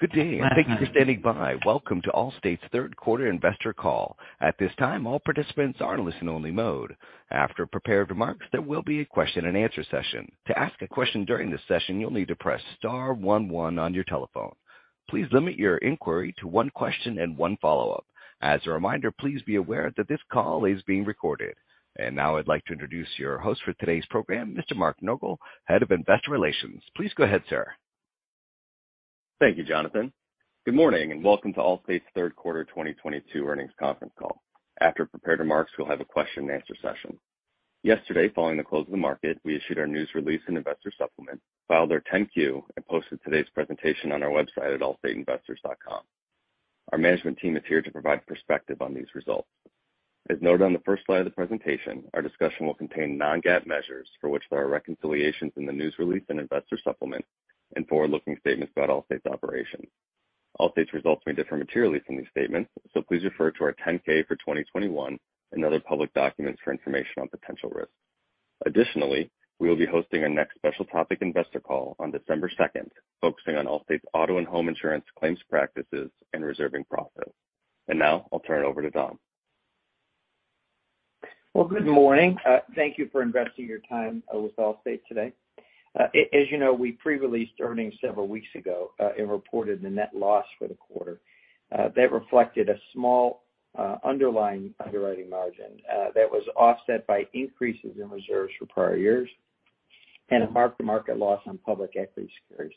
Good day, and thank you for standing by. Welcome to Allstate's third quarter investor call. At this time, all participants are in listen-only mode. After prepared remarks, there will be a question-and-answer session. To ask a question during this session, you'll need to press star one one on your telephone. Please limit your inquiry to one question and one follow-up. As a reminder, please be aware that this call is being recorded. Now I'd like to introduce your host for today's program, Mr. Mark Nogal, Head of Investor Relations. Please go ahead, sir. Thank you, Jonathan. Good morning, and welcome to Allstate's third quarter 2022 earnings conference call. After prepared remarks, we'll have a question-and-answer session. Yesterday, following the close of the market, we issued our news release and investor supplement, filed our 10-Q, and posted today's presentation on our website at allstateinvestors.com. Our management team is here to provide perspective on these results. As noted on the first slide of the presentation, our discussion will contain non-GAAP measures, for which there are reconciliations in the news release and investor supplement and forward-looking statements about Allstate's operations. Allstate's results may differ materially from these statements, so please refer to our 10-K for 2021 and other public documents for information on potential risks. Additionally, we will be hosting our next special topic investor call on December 2nd, focusing on Allstate's auto and home insurance claims practices and reserving process. Now I'll turn it over to Tom. Well, good morning. Thank you for investing your time with Allstate today. As you know, we pre-released earnings several weeks ago and reported the net loss for the quarter. That reflected a small underlying underwriting margin that was offset by increases in reserves for prior years and a mark-to-market loss on public equity securities.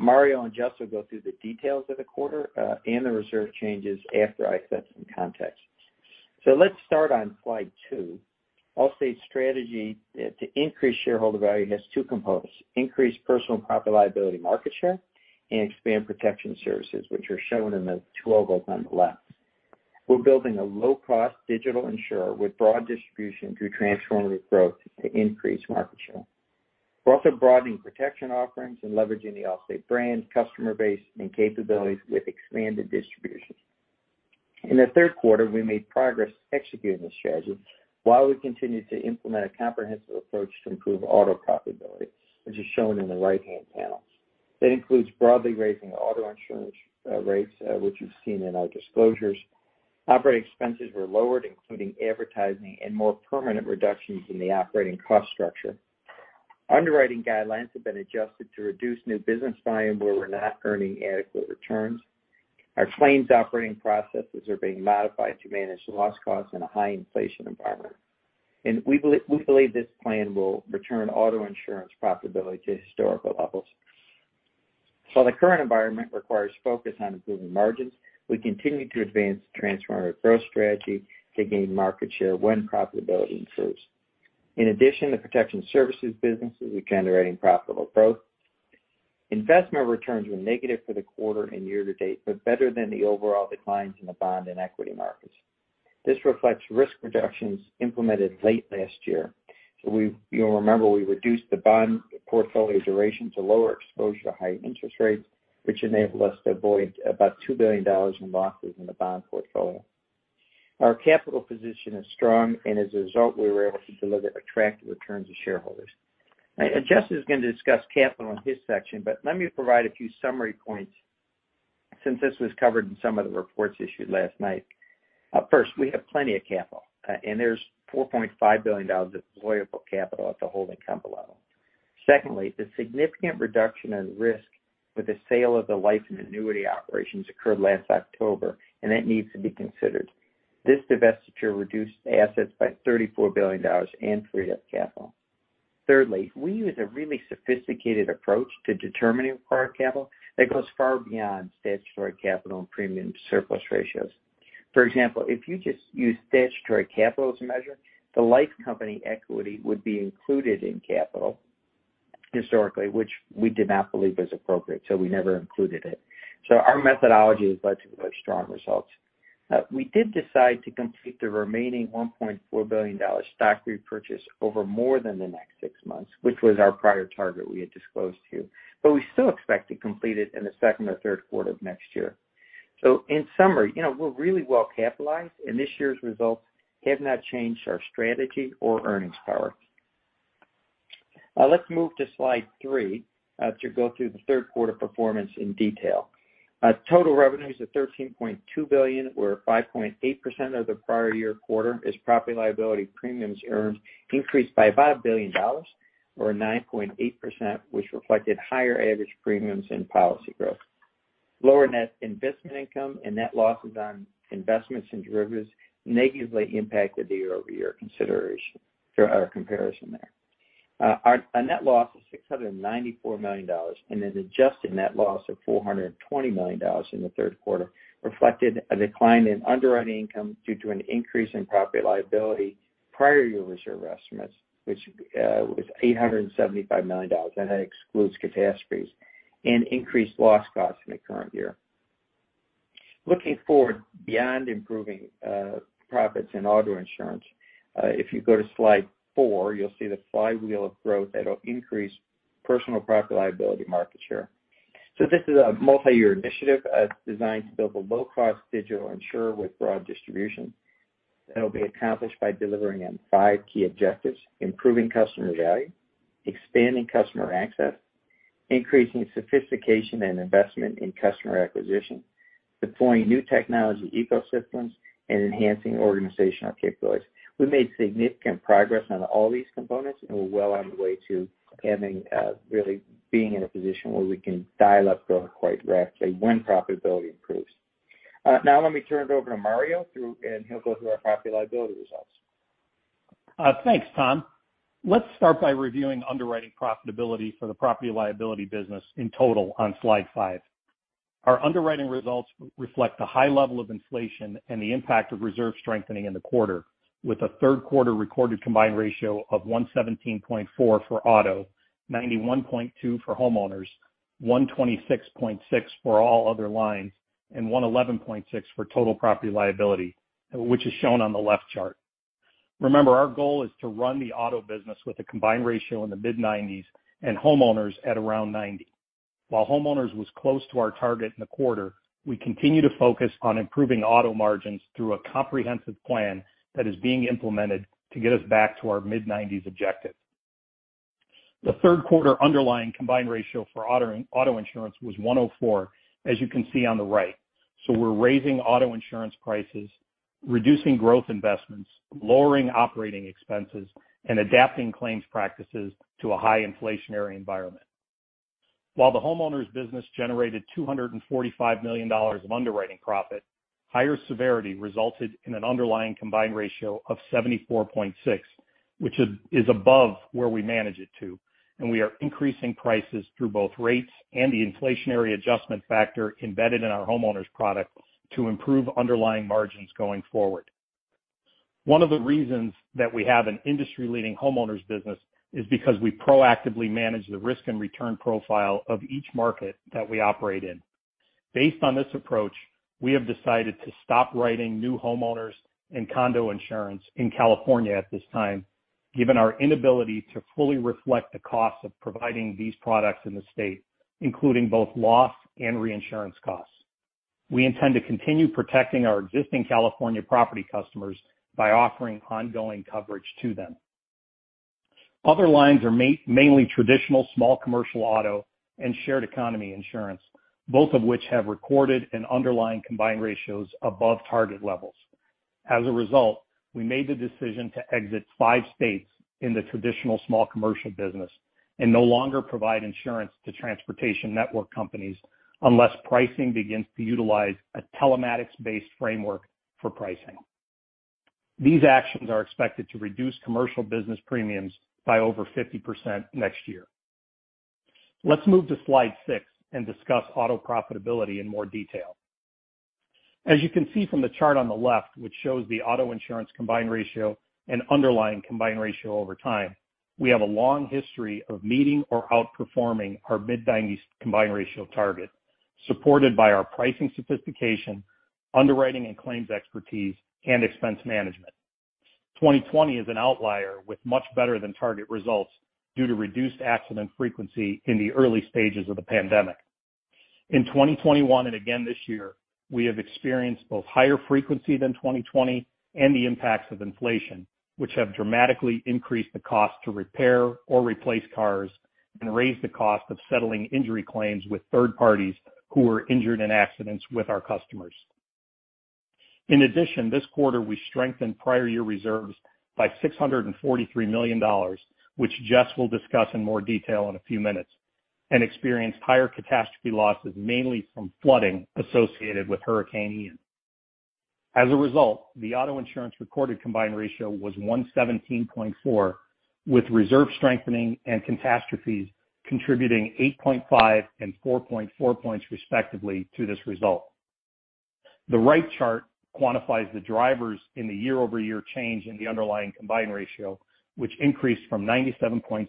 Mario and Jess will go through the details of the quarter and the reserve changes after I set some context. Let's start on slide two. Allstate's strategy to increase shareholder value has two components, increase personal Property-Liability market share and expand Protection Services, which are shown in the two ovals on the left. We're building a low-cost digital insurer with broad distribution through Transformative Growth to increase market share. We're also broadening protection offerings and leveraging the Allstate brand, customer base, and capabilities with expanded distribution. In the third quarter, we made progress executing this strategy while we continued to implement a comprehensive approach to improve auto profitability, which is shown in the right-hand panel. That includes broadly raising auto insurance rates, which you've seen in our disclosures. Operating expenses were lowered, including advertising and more permanent reductions in the operating cost structure. Underwriting guidelines have been adjusted to reduce new business volume where we're not earning adequate returns. Our claims operating processes are being modified to manage loss costs in a high inflation environment. We believe this plan will return auto insurance profitability to historical levels. While the current environment requires focus on improving margins, we continue to advance the Transformative Growth strategy to gain market share when profitability improves. In addition, the Protection Services businesses are generating profitable growth. Investment returns were negative for the quarter and year to date, but better than the overall declines in the bond and equity markets. This reflects risk reductions implemented late last year. You'll remember we reduced the bond portfolio duration to lower exposure to high interest rates, which enabled us to avoid about $2 billion in losses in the bond portfolio. Our capital position is strong, and as a result, we were able to deliver attractive returns to shareholders. Jess is gonna discuss capital in his section, but let me provide a few summary points since this was covered in some of the reports issued last night. First, we have plenty of capital, and there's $4.5 billion of deployable capital at the holding company level. Secondly, the significant reduction in risk with the sale of the life and annuity operations occurred last October, and that needs to be considered. This divestiture reduced assets by $34 billion and freed up capital. Thirdly, we use a really sophisticated approach to determining required capital that goes far beyond statutory capital and premium to surplus ratios. For example, if you just use statutory capital as a measure, the life company equity would be included in capital historically, which we did not believe was appropriate, so we never included it. Our methodology has led to those strong results. We did decide to complete the remaining $1.4 billion stock repurchase over more than the next six months, which was our prior target we had disclosed to, but we still expect to complete it in the second or third quarter of next year. In summary, you know, we're really well capitalized, and this year's results have not changed our strategy or earnings power. Let's move to slide three to go through the third quarter performance in detail. Total revenues of $13.2 billion were 5.8% above the prior-year quarter as Property-Liability premiums earned increased by $5 billion or 9.8%, which reflected higher average premiums and policy growth. Lower net investment income and net losses on investments and derivatives negatively impacted the year-over-year comparison there. A net loss of $694 million and an adjusted net loss of $420 million in the third quarter reflected a decline in underwriting income due to an increase in Property-Liability prior year reserve estimates, which was $875 million, and that excludes catastrophes and increased loss costs in the current year. Looking forward beyond improving profits in auto insurance, if you go to slide four, you'll see the flywheel of growth that'll increase personal Property-Liability market share. This is a multi-year initiative designed to build a low-cost digital insurer with broad distribution. That'll be accomplished by delivering on five key objectives, improving customer value, expanding customer access, increasing sophistication and investment in customer acquisition, deploying new technology ecosystems, and enhancing organizational capabilities. We made significant progress on all these components, and we're well on the way to ending, really being in a position where we can dial up growth quite rapidly when profitability improves. Now let me turn it over to Mario, and he'll go through our Property-Liability results. Thanks, Tom. Let's start by reviewing underwriting profitability for the Property-Liability business in total on slide five. Our underwriting results reflect the high level of inflation and the impact of reserve strengthening in the quarter, with a third quarter recorded combined ratio of 117.4% for auto, 91.2% for homeowners, 126.6% for all other lines, and 111.6% for total Property-Liability, which is shown on the left chart. Remember, our goal is to run the auto business with a combined ratio in the mid-90% and homeowners at around 90%. While homeowners was close to our target in the quarter, we continue to focus on improving auto margins through a comprehensive plan that is being implemented to get us back to our mid-90% objective. The third quarter underlying combined ratio for auto insurance was 104%, as you can see on the right, so we're raising auto insurance prices, reducing growth investments, lowering operating expenses, and adapting claims practices to a high inflationary environment. While the homeowners business generated $245 million of underwriting profit, higher severity resulted in an underlying combined ratio of 74.6%, which is above where we manage it to, and we are increasing prices through both rates and the inflationary adjustment factor embedded in our homeowners product to improve underlying margins going forward. One of the reasons that we have an industry-leading homeowners business is because we proactively manage the risk and return profile of each market that we operate in. Based on this approach, we have decided to stop writing new homeowners and condo insurance in California at this time, given our inability to fully reflect the cost of providing these products in the state, including both loss and reinsurance costs. We intend to continue protecting our existing California property customers by offering ongoing coverage to them. Other lines are mainly traditional small commercial auto and shared economy insurance, both of which have recorded an underlying combined ratios above target levels. As a result, we made the decision to exit five states in the traditional small commercial business and no longer provide insurance to transportation network companies unless pricing begins to utilize a telematics-based framework for pricing. These actions are expected to reduce commercial business premiums by over 50% next year. Let's move to slide six and discuss auto profitability in more detail. As you can see from the chart on the left, which shows the auto insurance combined ratio and underlying combined ratio over time, we have a long history of meeting or outperforming our mid-90% combined ratio target, supported by our pricing sophistication, underwriting and claims expertise, and expense management. 2020 is an outlier with much better than target results due to reduced accident frequency in the early stages of the pandemic. In 2021, and again this year, we have experienced both higher frequency than 2020 and the impacts of inflation, which have dramatically increased the cost to repair or replace cars and raised the cost of settling injury claims with third parties who were injured in accidents with our customers. In addition, this quarter we strengthened prior year reserves by $643 million, which Jess will discuss in more detail in a few minutes, and experienced higher catastrophe losses, mainly from flooding associated with Hurricane Ian. As a result, the auto insurance recorded combined ratio was 117.4%, with reserve strengthening and catastrophes contributing 8.5 and 4.4 points respectively to this result. The right chart quantifies the drivers in the year-over-year change in the underlying combined ratio, which increased from 97.6%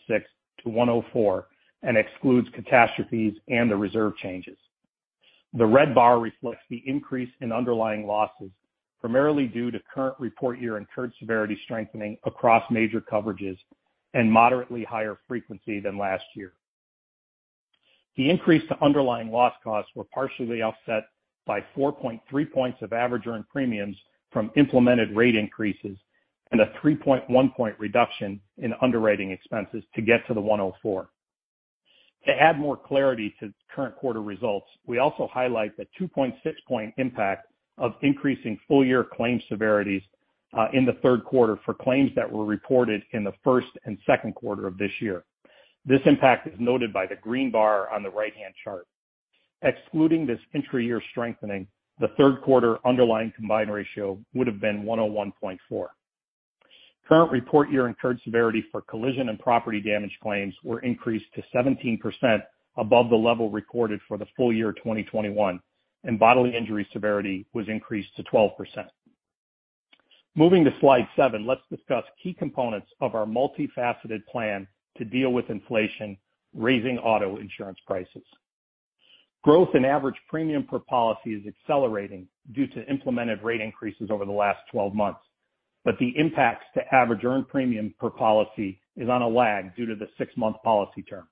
to 104% and excludes catastrophes and the reserve changes. The red bar reflects the increase in underlying losses, primarily due to current report year incurred severity strengthening across major coverages and moderately higher frequency than last year. The increase to underlying loss costs were partially offset by 4.3 points of average earned premiums from implemented rate increases and a 3.1 point reduction in underwriting expenses to get to the 104%. To add more clarity to current quarter results, we also highlight the 2.6 point impact of increasing full year claims severities, in the third quarter for claims that were reported in the first and second quarter of this year. This impact is noted by the green bar on the right-hand chart. Excluding this intra-year strengthening, the third quarter underlying combined ratio would have been 101.4%. Current report year incurred severity for collision and property damage claims were increased to 17% above the level recorded for the full year 2021, and bodily injury severity was increased to 12%. Moving to slide seven, let's discuss key components of our multifaceted plan to deal with inflation, raising auto insurance prices. Growth in average premium per policy is accelerating due to implemented rate increases over the last 12 months, but the impacts to average earned premium per policy is on a lag due to the six-month policy term.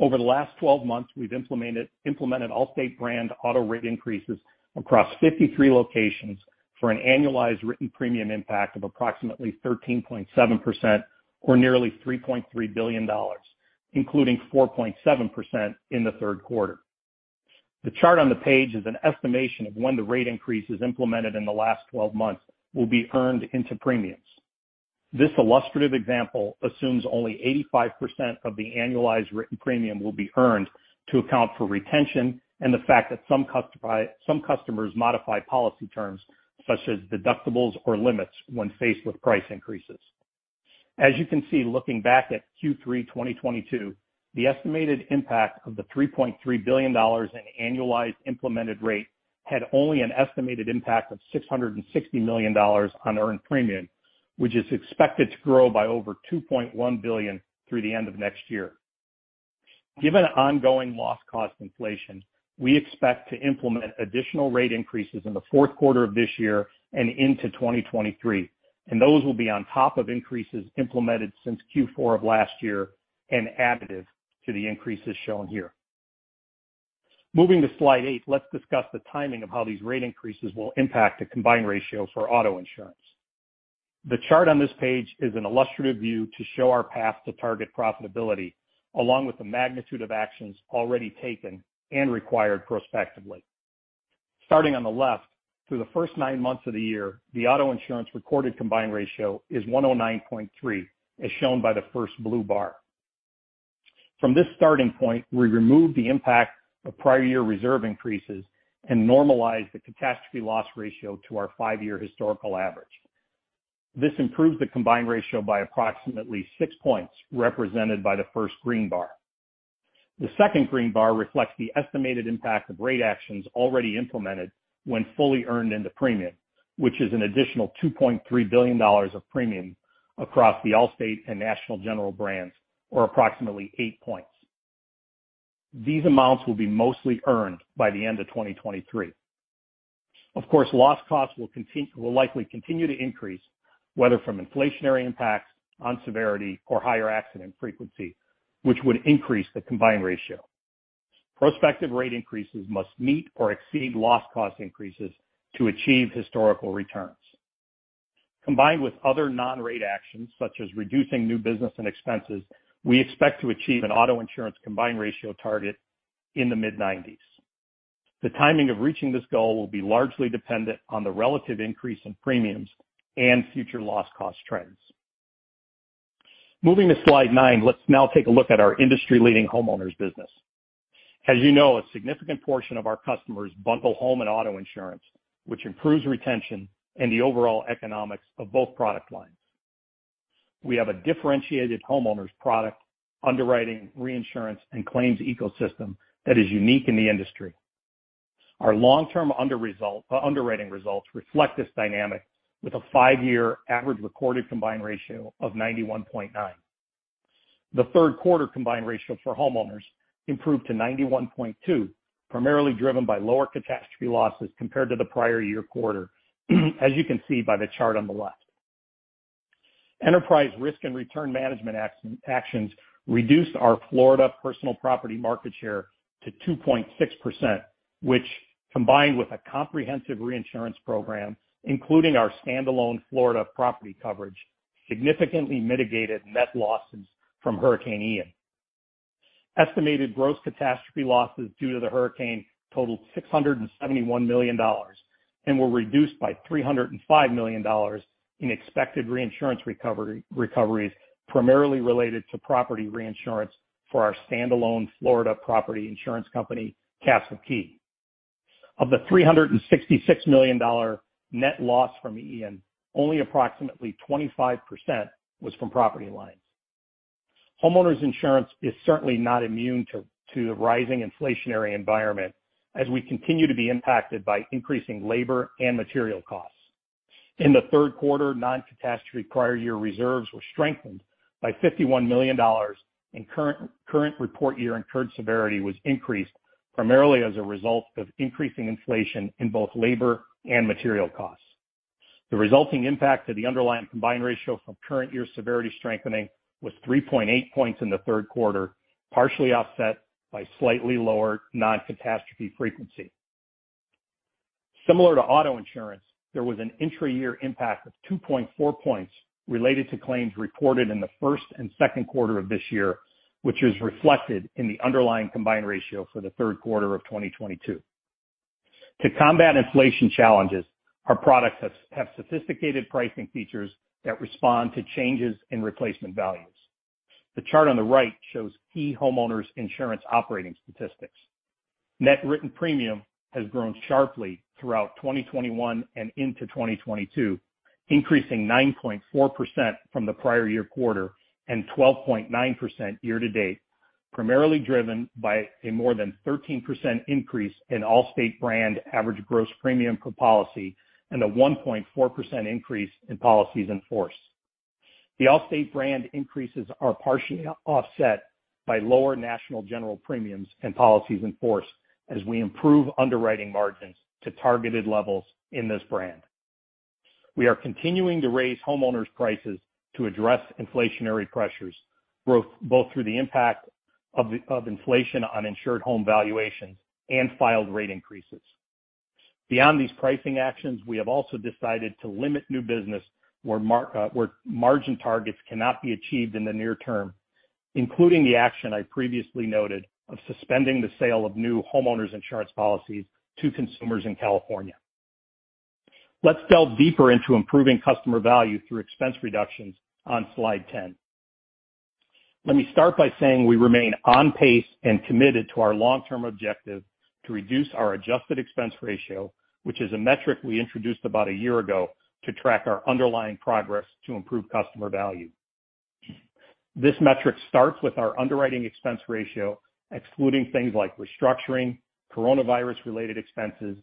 Over the last 12 months, we've implemented Allstate brand auto rate increases across 53 locations for an annualized written premium impact of approximately 13.7% or nearly $3.3 billion, including 4.7% in the third quarter. The chart on the page is an estimation of when the rate increase is implemented in the last 12 months will be earned into premiums. This illustrative example assumes only 85% of the annualized written premium will be earned to account for retention and the fact that some customers modify policy terms such as deductibles or limits when faced with price increases. As you can see, looking back at Q3 2022, the estimated impact of the $3.3 billion in annualized implemented rate had only an estimated impact of $660 million on earned premium, which is expected to grow by over $2.1 billion through the end of next year. Given ongoing loss cost inflation, we expect to implement additional rate increases in the fourth quarter of this year and into 2023, and those will be on top of increases implemented since Q4 of last year and additive to the increases shown here. Moving to slide 8, let's discuss the timing of how these rate increases will impact the combined ratio for auto insurance. The chart on this page is an illustrative view to show our path to target profitability, along with the magnitude of actions already taken and required prospectively. Starting on the left, through the first nine months of the year, the auto insurance recorded combined ratio is 109.3%, as shown by the first blue bar. From this starting point, we remove the impact of prior year reserve increases and normalize the catastrophe loss ratio to our five-year historical average. This improves the combined ratio by approximately six points, represented by the first green bar. The second green bar reflects the estimated impact of rate actions already implemented when fully earned in the premium, which is an additional $2.3 billion of premium across the Allstate and National General brands, or approximately 8 points. These amounts will be mostly earned by the end of 2023. Of course, loss costs will likely continue to increase, whether from inflationary impacts on severity or higher accident frequency, which would increase the combined ratio. Prospective rate increases must meet or exceed loss cost increases to achieve historical returns. Combined with other non-rate actions, such as reducing new business and expenses, we expect to achieve an auto insurance combined ratio target in the mid-90%. The timing of reaching this goal will be largely dependent on the relative increase in premiums and future loss cost trends. Moving to slide nine, let's now take a look at our industry-leading homeowners business. As you know, a significant portion of our customers bundle home and auto insurance, which improves retention and the overall economics of both product lines. We have a differentiated homeowners product underwriting reinsurance and claims ecosystem that is unique in the industry. Our long-term underwriting results reflect this dynamic with a five-year average recorded combined ratio of 91.9%. The third quarter combined ratio for homeowners improved to 91.2%, primarily driven by lower catastrophe losses compared to the prior year quarter, as you can see by the chart on the left. Enterprise risk and return management actions reduced our Florida personal property market share to 2.6%, which, combined with a comprehensive reinsurance program, including our standalone Florida property coverage, significantly mitigated net losses from Hurricane Ian. Estimated gross catastrophe losses due to the hurricane totaled $671 million and were reduced by $305 million in expected reinsurance recovery, primarily related to property reinsurance for our standalone Florida property insurance company, Castle Key. Of the $366 million net loss from Ian, only approximately 25% was from property lines. Homeowners insurance is certainly not immune to the rising inflationary environment as we continue to be impacted by increasing labor and material costs. In the third quarter, non-catastrophe prior year reserves were strengthened by $51 million, and current report year incurred severity was increased primarily as a result of increasing inflation in both labor and material costs. The resulting impact to the underlying combined ratio from current year severity strengthening was 3.8 points in the third quarter, partially offset by slightly lower non-catastrophe frequency. Similar to auto insurance, there was an intra-year impact of 2.4 points related to claims reported in the first and second quarter of this year, which is reflected in the underlying combined ratio for the third quarter of 2022. To combat inflation challenges, our products have sophisticated pricing features that respond to changes in replacement values. The chart on the right shows key homeowners insurance operating statistics. Net written premium has grown sharply throughout 2021 and into 2022, increasing 9.4% from the prior year quarter and 12.9% year to date, primarily driven by a more than 13% increase in Allstate brand average gross premium per policy and a 1.4% increase in policies in force. The Allstate brand increases are partially offset by lower National General premiums and policies in force as we improve underwriting margins to targeted levels in this brand. We are continuing to raise homeowners prices to address inflationary pressures, growth both through the impact of inflation on insured home valuations and filed rate increases. Beyond these pricing actions, we have also decided to limit new business where margin targets cannot be achieved in the near term, including the action I previously noted of suspending the sale of new homeowners insurance policies to consumers in California. Let's delve deeper into improving customer value through expense reductions on slide 10. Let me start by saying we remain on pace and committed to our long-term objective to reduce our adjusted expense ratio, which is a metric we introduced about a year ago to track our underlying progress to improve customer value. This metric starts with our underwriting expense ratio, excluding things like restructuring, coronavirus-related expenses,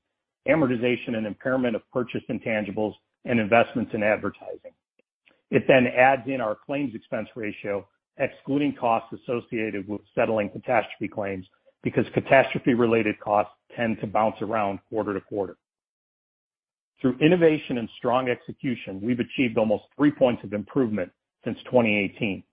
amortization and impairment of purchased intangibles, and investments in advertising. It then adds in our claims expense ratio, excluding costs associated with settling catastrophe claims, because catastrophe-related costs tend to bounce around quarter to quarter. Through innovation and strong execution, we've achieved almost 3 points of improvement since 2018.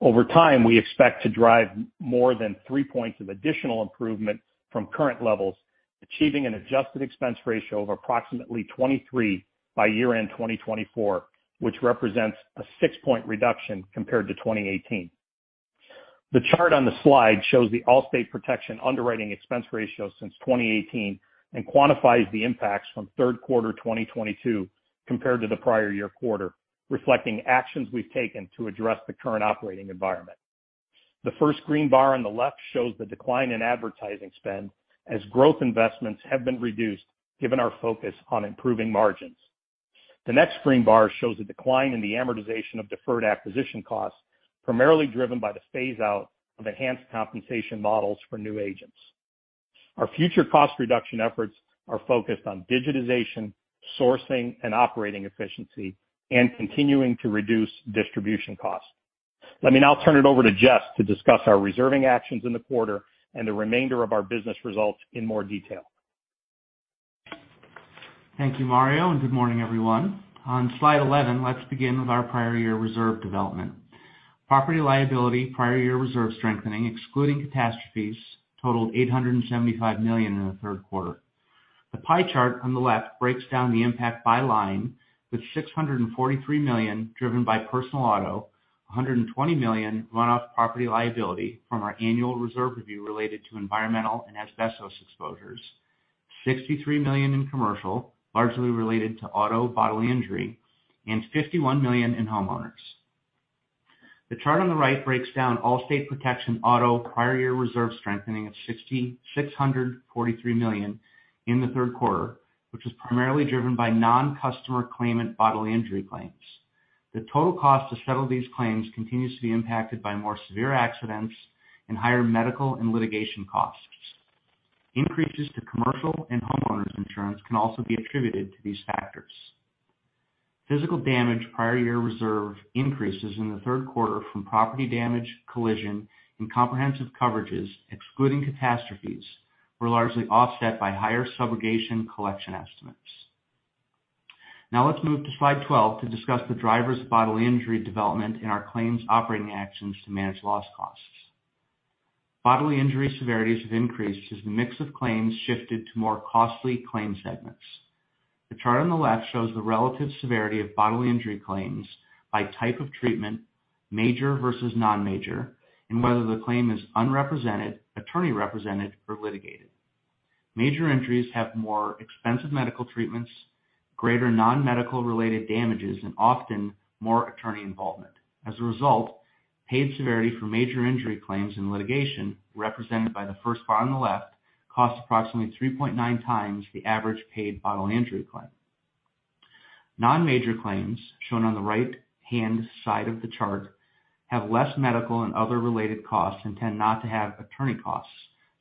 Over time, we expect to drive more than 3 points of additional improvement from current levels, achieving an adjusted expense ratio of approximately 23% by year-end 2024, which represents a 6-point reduction compared to 2018. The chart on the slide shows the Allstate Protection underwriting expense ratio since 2018 and quantifies the impacts from third quarter 2022 compared to the prior year quarter, reflecting actions we've taken to address the current operating environment. The first green bar on the left shows the decline in advertising spend as growth investments have been reduced given our focus on improving margins. The next green bar shows a decline in the amortization of deferred acquisition costs, primarily driven by the phase out of enhanced compensation models for new agents. Our future cost reduction efforts are focused on digitization, sourcing, and operating efficiency, and continuing to reduce distribution costs. Let me now turn it over to Jess to discuss our reserving actions in the quarter and the remainder of our business results in more detail. Thank you, Mario, and good morning, everyone. On slide 11, let's begin with our prior year reserve development. Property-liability prior year reserve strengthening, excluding catastrophes, totaled $875 million in the third quarter. The pie chart on the left breaks down the impact by line, with $643 million driven by personal auto, $120 million run off Property-Liability from our annual reserve review related to environmental and asbestos exposures, $63 million in commercial, largely related to auto bodily injury, and $51 million in homeowners. The chart on the right breaks down Allstate Protection auto prior year reserve strengthening of $643 million in the third quarter, which was primarily driven by non-customer claimant bodily injury claims. The total cost to settle these claims continues to be impacted by more severe accidents and higher medical and litigation costs. Increases to commercial and homeowners insurance can also be attributed to these factors. Physical damage prior year reserve increases in the third quarter from property damage, collision, and comprehensive coverages, excluding catastrophes, were largely offset by higher subrogation collection estimates. Now let's move to slide 12 to discuss the drivers of bodily injury development and our claims operating actions to manage loss costs. Bodily injury severities have increased as the mix of claims shifted to more costly claim segments. The chart on the left shows the relative severity of bodily injury claims by type of treatment, major versus non-major, and whether the claim is unrepresented, attorney-represented or litigated. Major injuries have more expensive medical treatments, greater non-medical related damages, and often more attorney involvement. As a result, paid severity for major injury claims and litigation, represented by the first bar on the left, costs approximately 3.9x the average paid bodily injury claim. Non-major claims, shown on the right-hand side of the chart, have less medical and other related costs and tend not to have attorney costs,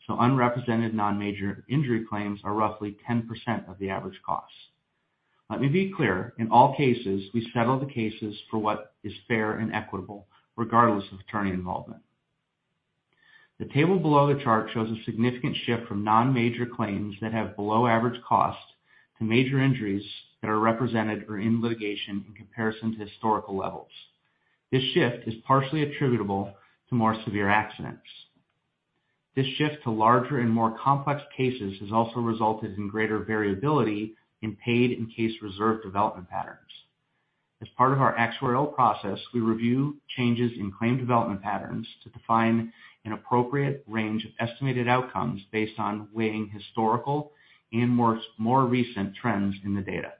so unrepresented non-major injury claims are roughly 10% of the average cost. Let me be clear, in all cases, we settle the cases for what is fair and equitable, regardless of attorney involvement. The table below the chart shows a significant shift from non-major claims that have below average cost to major injuries that are represented or in litigation in comparison to historical levels. This shift is partially attributable to more severe accidents. This shift to larger and more complex cases has also resulted in greater variability in paid and case reserve development patterns. As part of our actuarial process, we review changes in claim development patterns to define an appropriate range of estimated outcomes based on weighing historical and more recent trends in the data.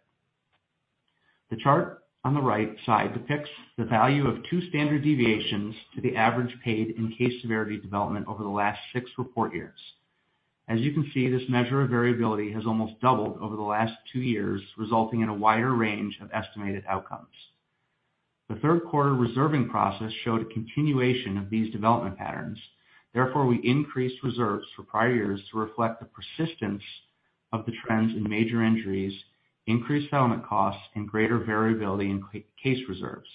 The chart on the right side depicts the value of two standard deviations to the average paid in case severity development over the last six report years. As you can see, this measure of variability has almost doubled over the last two years, resulting in a wider range of estimated outcomes. The third quarter reserving process showed a continuation of these development patterns. Therefore, we increased reserves for prior years to reflect the persistence of the trends in major injuries, increased settlement costs, and greater variability in case reserves.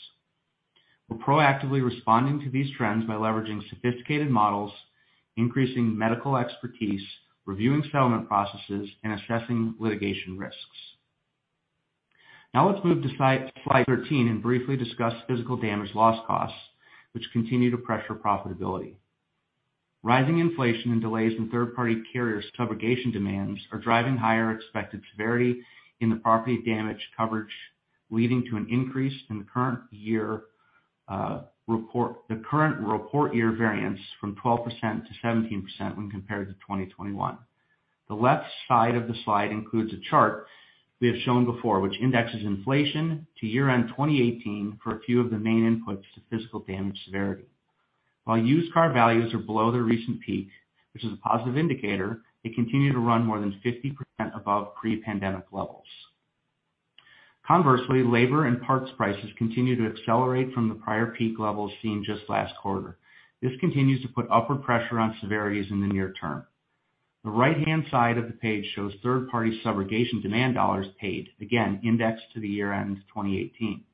We're proactively responding to these trends by leveraging sophisticated models, increasing medical expertise, reviewing settlement processes, and assessing litigation risks. Now let's move to slide 13 and briefly discuss physical damage loss costs, which continue to pressure profitability. Rising inflation and delays in third-party carriers' subrogation demands are driving higher expected severity in the property damage coverage, leading to an increase in the current report year variance from 12% to 17% when compared to 2021. The left side of the slide includes a chart we have shown before, which indexes inflation to year-end 2018 for a few of the main inputs to physical damage severity. While used car values are below their recent peak, which is a positive indicator, they continue to run more than 50% above pre-pandemic levels. Conversely, labor and parts prices continue to accelerate from the prior peak levels seen just last quarter. This continues to put upward pressure on severities in the near term. The right-hand side of the page shows third-party subrogation demand dollars paid, again, indexed to the year-end 2018.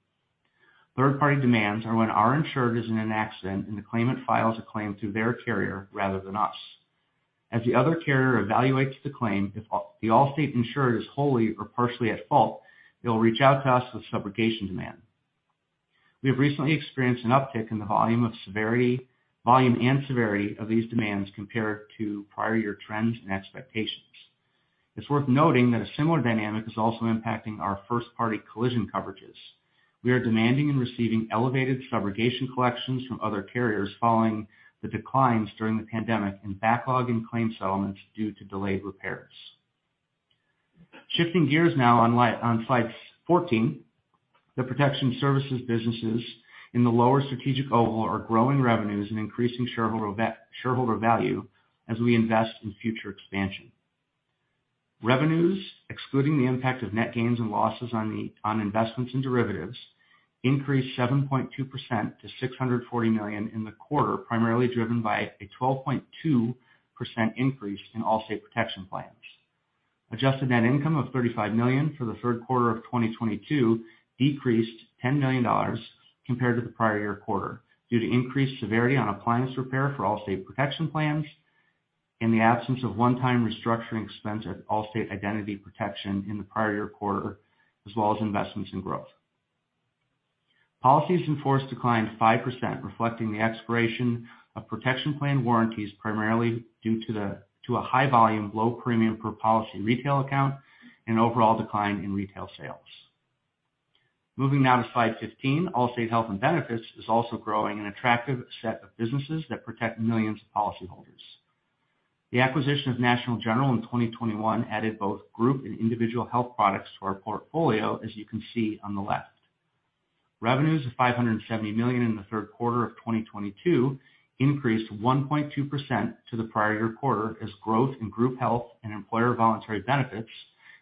Third-party demands are when our insured is in an accident and the claimant files a claim through their carrier rather than us. As the other carrier evaluates the claim, if the Allstate insured is wholly or partially at fault, they will reach out to us with a subrogation demand. We have recently experienced an uptick in the volume and severity of these demands compared to prior year trends and expectations. It's worth noting that a similar dynamic is also impacting our first-party collision coverages. We are demanding and receiving elevated subrogation collections from other carriers following the declines during the pandemic and backlog in claim settlements due to delayed repairs. Shifting gears now on slide 14, the Protection Services businesses in the lower strategic oval are growing revenues and increasing shareholder value as we invest in future expansion. Revenues, excluding the impact of net gains and losses on investments and derivatives, increased 7.2% to $640 million in the quarter, primarily driven by a 12.2% increase in Allstate Protection Plans. Adjusted net income of $35 million for the third quarter of 2022 decreased $10 million compared to the prior year quarter due to increased severity on appliance repair for Allstate Protection Plans. In the absence of one-time restructuring expense at Allstate Identity Protection in the prior year quarter, as well as investments in growth. Policies in force declined 5%, reflecting the expiration of protection plan warranties, primarily due to a high volume, low premium per policy retail account and overall decline in retail sales. Moving now to slide 15, Allstate Health and Benefits is also growing an attractive set of businesses that protect millions of policyholders. The acquisition of National General in 2021 added both group and individual health products to our portfolio, as you can see on the left. Revenues of $570 million in the third quarter of 2022 increased 1.2% to the prior year quarter as growth in group health and employer voluntary benefits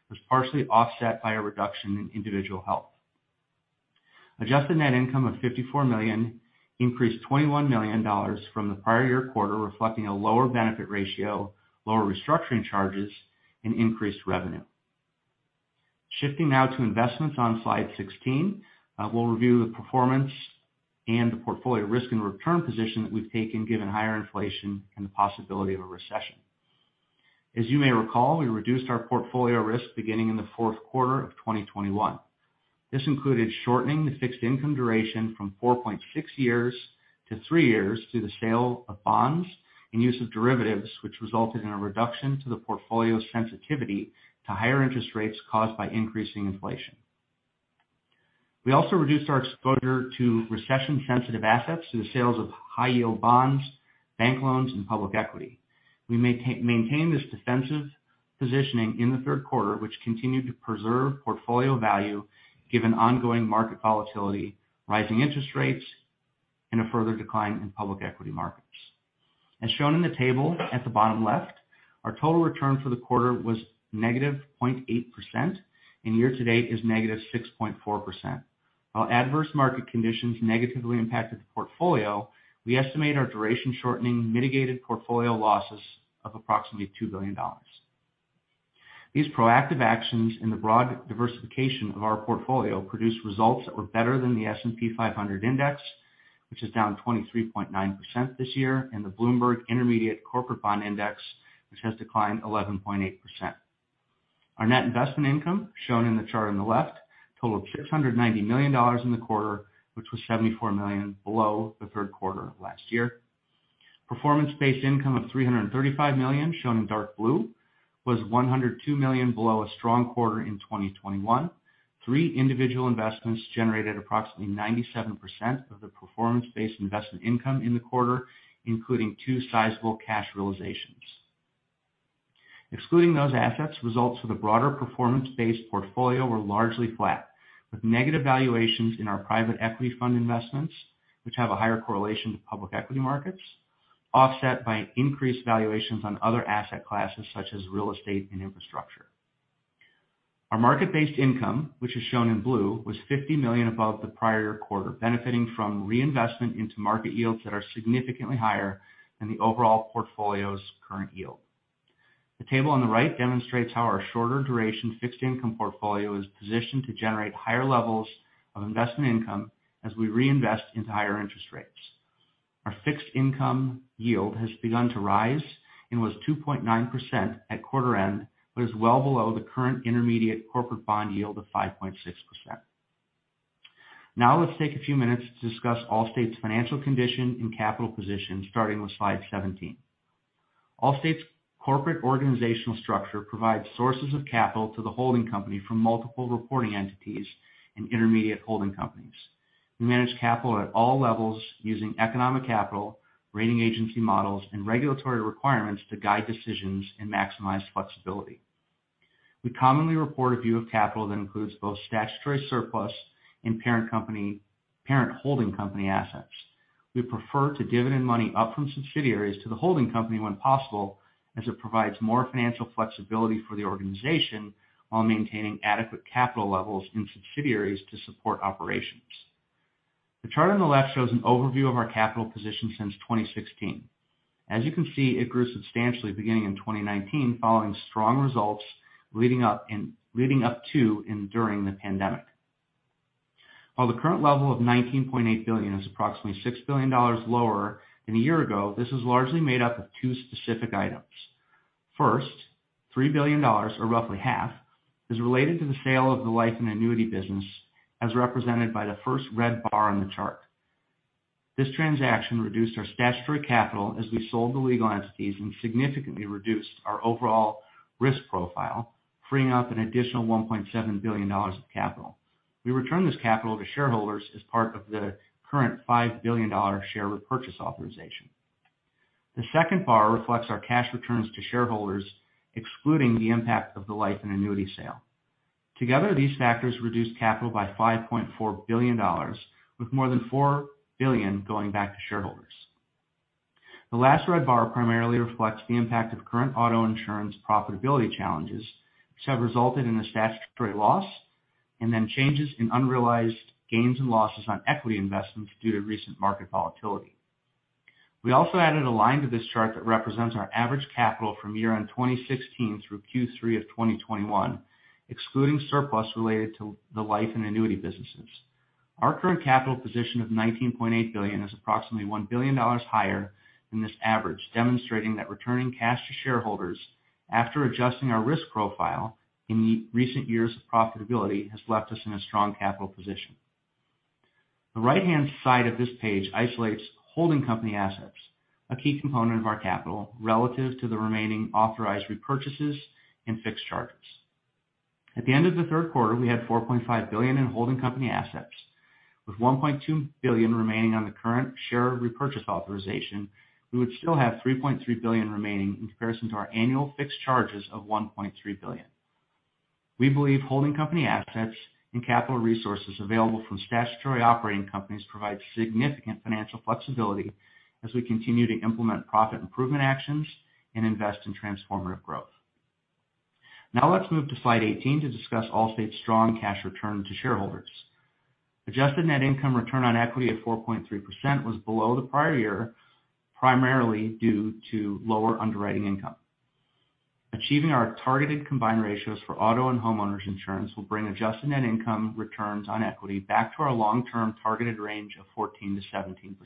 was partially offset by a reduction in individual health. Adjusted net income of $54 million increased $21 million from the prior year quarter, reflecting a lower benefit ratio, lower restructuring charges, and increased revenue. Shifting now to investments on slide 16, we'll review the performance and the portfolio risk and return position that we've taken given higher inflation and the possibility of a recession. As you may recall, we reduced our portfolio risk beginning in the fourth quarter of 2021. This included shortening the fixed income duration from 4.6 years to three years through the sale of bonds and use of derivatives, which resulted in a reduction to the portfolio's sensitivity to higher interest rates caused by increasing inflation. We also reduced our exposure to recession-sensitive assets through the sales of high-yield bonds, bank loans, and public equity. We maintain this defensive positioning in the third quarter, which continued to preserve portfolio value given ongoing market volatility, rising interest rates, and a further decline in public equity markets. As shown in the table at the bottom left, our total return for the quarter was -0.8%, and year-to-date is -6.4%. While adverse market conditions negatively impacted the portfolio, we estimate our duration shortening mitigated portfolio losses of approximately $2 billion. These proactive actions and the broad diversification of our portfolio produced results that were better than the S&P 500 index, which is down 23.9% this year, and the Bloomberg Intermediate Corporate Bond Index, which has declined 11.8%. Our net investment income, shown in the chart on the left, totaled $690 million in the quarter, which was $74 million below the third quarter of last year. Performance-based income of $335 million, shown in dark blue, was $102 million below a strong quarter in 2021. Three individual investments generated approximately 97% of the performance-based investment income in the quarter, including two sizable cash realizations. Excluding those assets, results for the broader performance-based portfolio were largely flat, with negative valuations in our private equity fund investments, which have a higher correlation to public equity markets, offset by increased valuations on other asset classes such as real estate and infrastructure. Our market-based income, which is shown in blue, was $50 million above the prior quarter, benefiting from reinvestment into market yields that are significantly higher than the overall portfolio's current yield. The table on the right demonstrates how our shorter duration fixed income portfolio is positioned to generate higher levels of investment income as we reinvest into higher interest rates. Our fixed income yield has begun to rise and was 2.9% at quarter end, but is well below the current intermediate corporate bond yield of 5.6%. Now, let's take a few minutes to discuss Allstate's financial condition and capital position, starting with slide 17. Allstate's corporate organizational structure provides sources of capital to the holding company from multiple reporting entities and intermediate holding companies. We manage capital at all levels using economic capital, rating agency models, and regulatory requirements to guide decisions and maximize flexibility. We commonly report a view of capital that includes both statutory surplus and parent holding company assets. We prefer to dividend money up from subsidiaries to the holding company when possible, as it provides more financial flexibility for the organization while maintaining adequate capital levels in subsidiaries to support operations. The chart on the left shows an overview of our capital position since 2016. As you can see, it grew substantially beginning in 2019, following strong results leading up to and during the pandemic. While the current level of $19.8 billion is approximately $6 billion lower than a year ago, this is largely made up of two specific items. First, $3 billion, or roughly half, is related to the sale of the life and annuity business, as represented by the first red bar on the chart. This transaction reduced our statutory capital as we sold the legal entities and significantly reduced our overall risk profile, freeing up an additional $1.7 billion of capital. We return this capital to shareholders as part of the current $5 billion share repurchase authorization. The second bar reflects our cash returns to shareholders, excluding the impact of the life and annuity sale. Together, these factors reduced capital by $5.4 billion, with more than $4 billion going back to shareholders. The last red bar primarily reflects the impact of current auto insurance profitability challenges, which have resulted in a statutory loss and then changes in unrealized gains and losses on equity investments due to recent market volatility. We also added a line to this chart that represents our average capital from year-end 2016 through Q3 of 2021, excluding surplus related to the life and annuity businesses. Our current capital position of $19.8 billion is approximately $1 billion higher than this average, demonstrating that returning cash to shareholders after adjusting our risk profile in recent years of profitability has left us in a strong capital position. The right-hand side of this page isolates holding company assets, a key component of our capital, relative to the remaining authorized repurchases and fixed charges. At the end of the third quarter, we had $4.5 billion in holding company assets. With $1.2 billion remaining on the current share repurchase authorization, we would still have $3.3 billion remaining in comparison to our annual fixed charges of $1.3 billion. We believe holding company assets and capital resources available from statutory operating companies provide significant financial flexibility as we continue to implement profit improvement actions and invest in Transformative Growth. Now, let's move to slide 18 to discuss Allstate's strong cash return to shareholders. Adjusted net income return on equity of 4.3% was below the prior year, primarily due to lower underwriting income. Achieving our targeted combined ratios for auto and homeowners insurance will bring adjusted net income returns on equity back to our long-term targeted range of 14%-17%.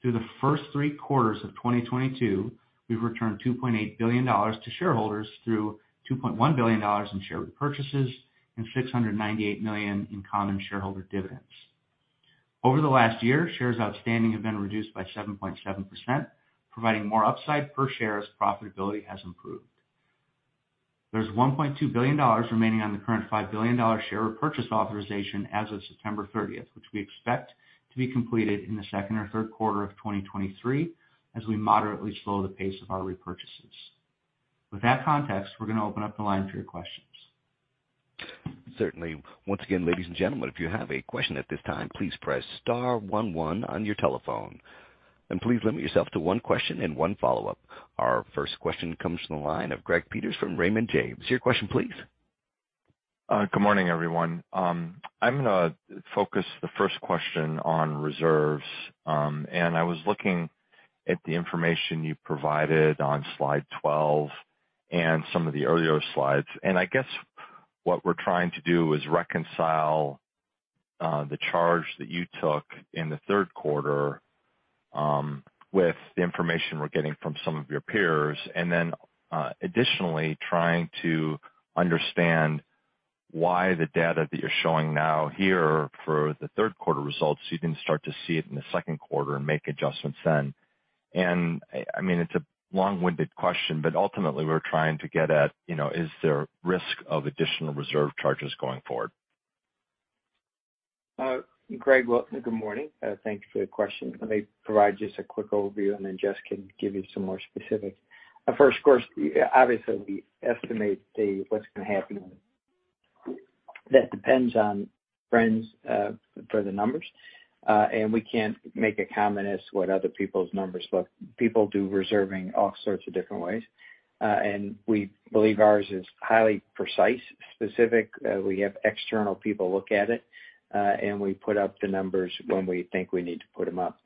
Through the first three quarters of 2022, we've returned $2.8 billion to shareholders through $2.1 billion in share repurchases and $698 million in common shareholder dividends. Over the last year, shares outstanding have been reduced by 7.7%, providing more upside per share as profitability has improved. There's $1.2 billion remaining on the current $5 billion share repurchase authorization as of September 30th, which we expect to be completed in the second or third quarter of 2023, as we moderately slow the pace of our repurchases. With that context, we're gonna open up the line for your questions. Certainly. Once again, ladies and gentlemen, if you have a question at this time, please press star one one on your telephone, and please limit yourself to one question and one follow-up. Our first question comes from the line of Greg Peters from Raymond James. Your question, please. Good morning, everyone. I'm gonna focus the first question on reserves. I was looking at the information you provided on slide 12 and some of the earlier slides. I guess what we're trying to do is reconcile the charge that you took in the third quarter with the information we're getting from some of your peers, and then additionally trying to understand why the data that you're showing now here for the third quarter results, you didn't start to see it in the second quarter and make adjustments then. I mean, it's a long-winded question, but ultimately we're trying to get at, you know, is there risk of additional reserve charges going forward? Greg, well, good morning. Thank you for your question. Let me provide just a quick overview, and then Jess can give you some more specifics. First, of course, obviously, we estimate what's gonna happen. That depends on trends for the numbers. We can't make a comment as to what other people's numbers look. People do reserving all sorts of different ways. We believe ours is highly precise, specific. We have external people look at it, and we put up the numbers when we think we need to put them up.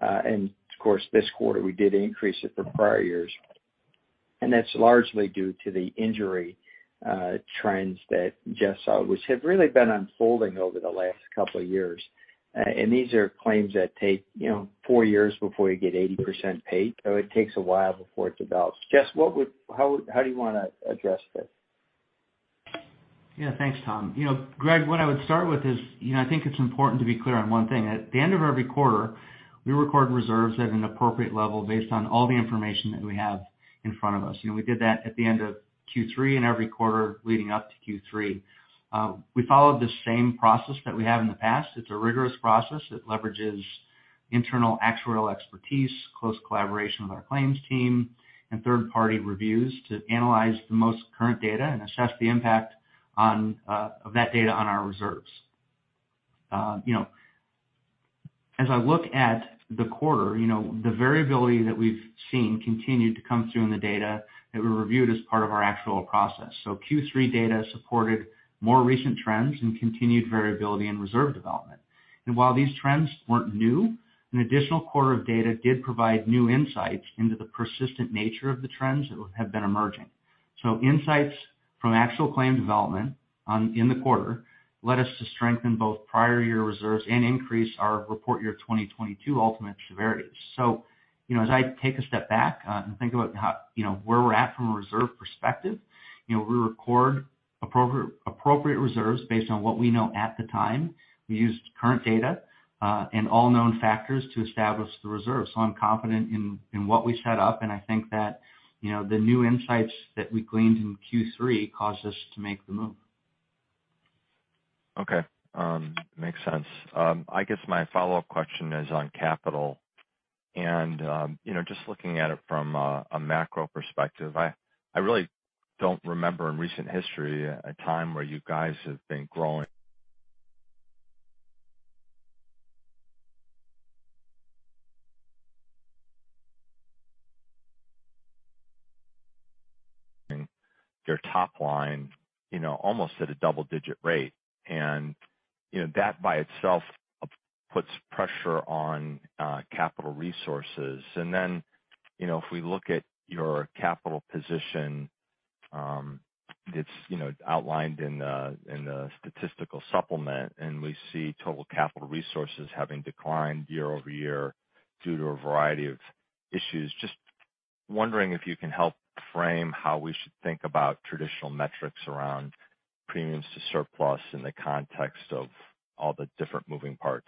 Of course, this quarter we did increase it from prior years. That's largely due to the injury trends that Jess saw, which have really been unfolding over the last couple of years. These are claims that take, you know, four years before you get 80% paid, so it takes a while before it develops. Jess, how do you wanna address this? Yeah. Thanks, Tom. You know, Greg, what I would start with is, you know, I think it's important to be clear on one thing. At the end of every quarter, we record reserves at an appropriate level based on all the information that we have in front of us. You know, we did that at the end of Q3 and every quarter leading up to Q3. We followed the same process that we have in the past. It's a rigorous process. It leverages internal actuarial expertise, close collaboration with our claims team, and third-party reviews to analyze the most current data and assess the impact of that data on our reserves. You know, as I look at the quarter, you know, the variability that we've seen continued to come through in the data that we reviewed as part of our actual process. Q3 data supported more recent trends and continued variability in reserve development. While these trends weren't new, an additional quarter of data did provide new insights into the persistent nature of the trends that have been emerging. Insights from actual claim development in the quarter led us to strengthen both prior year reserves and increase our report year 2022 ultimate severities. You know, as I take a step back, and think about how, you know, where we're at from a reserve perspective, you know, we record appropriate reserves based on what we know at the time. We used current data, and all known factors to establish the reserve. I'm confident in what we set up, and I think that, you know, the new insights that we gleaned in Q3 caused us to make the move. Okay. Makes sense. I guess my follow-up question is on capital. You know, just looking at it from a macro perspective, I really don't remember in recent history a time where you guys have been growing your top line, you know, almost at a double-digit rate. You know, that by itself puts pressure on capital resources. You know, if we look at your capital position, it's outlined in the statistical supplement, and we see total capital resources having declined year-over-year due to a variety of issues. Just wondering if you can help frame how we should think about traditional metrics around premiums to surplus in the context of all the different moving parts.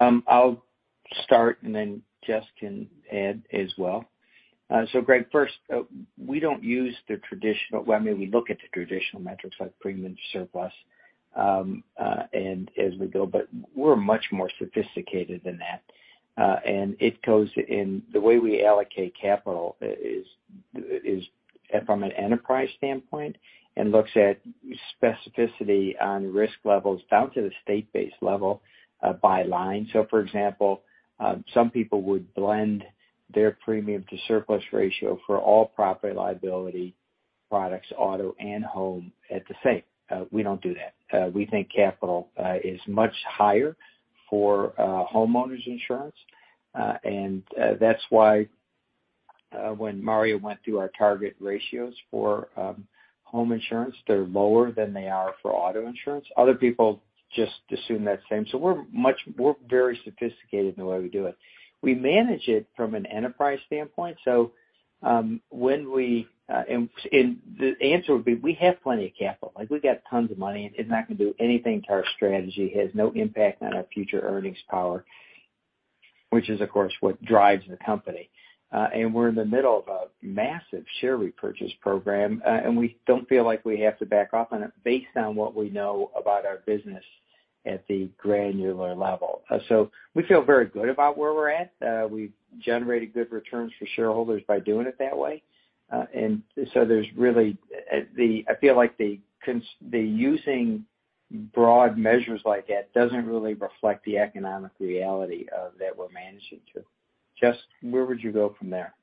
I'll start and then Jess can add as well. Greg, first, we don't use the traditional. Well, I mean, we look at the traditional metrics like premium to surplus and as we go, but we're much more sophisticated than that. The way we allocate capital is from an enterprise standpoint and looks at specificity on risk levels down to the state-based level by line. For example, some people would blend their premium-to-surplus ratio for all Property-Liability products, auto and home, at the same. We don't do that. We think capital is much higher for homeowners insurance. That's why, when Mario went through our target ratios for homeowners insurance, they're lower than they are for auto insurance. Other people just assume that same. We're very sophisticated in the way we do it. We manage it from an enterprise standpoint. When we, and the answer would be we have plenty of capital. Like we got tons of money, and it's not gonna do anything to our strategy. It has no impact on our future earnings power, which is, of course, what drives the company. We're in the middle of a massive share repurchase program, and we don't feel like we have to back off on it based on what we know about our business at the granular level. We feel very good about where we're at. We've generated good returns for shareholders by doing it that way. I feel like using broad measures like that doesn't really reflect the economic reality that we're managing to. Jess, where would you go from there?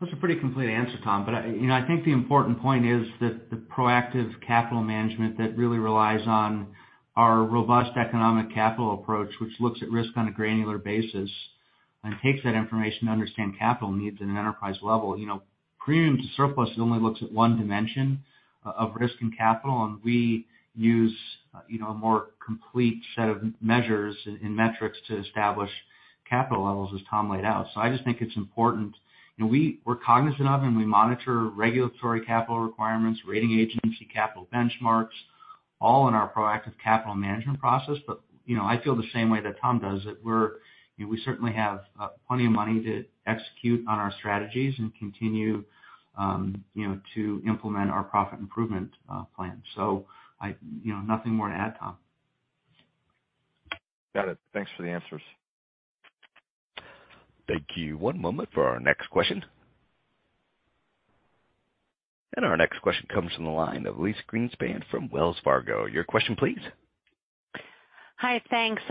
That's a pretty complete answer, Tom. I, you know, I think the important point is that the proactive capital management that really relies on our robust economic capital approach, which looks at risk on a granular basis and takes that information to understand capital needs at an enterprise level. You know, premium to surplus only looks at one dimension of risk and capital, and we use, you know, a more complete set of measures and metrics to establish capital levels as Tom laid out. I just think it's important. You know, we're cognizant of and we monitor regulatory capital requirements, rating agency capital benchmarks, all in our proactive capital management process. you know, I feel the same way that Tom does, that we're, you know, we certainly have plenty of money to execute on our strategies and continue, you know, to implement our profit improvement plan. I, you know, nothing more to add, Tom. Got it. Thanks for the answers. Thank you. One moment for our next question. Our next question comes from the line of Elyse Greenspan from Wells Fargo. Your question, please. Hi. Thanks.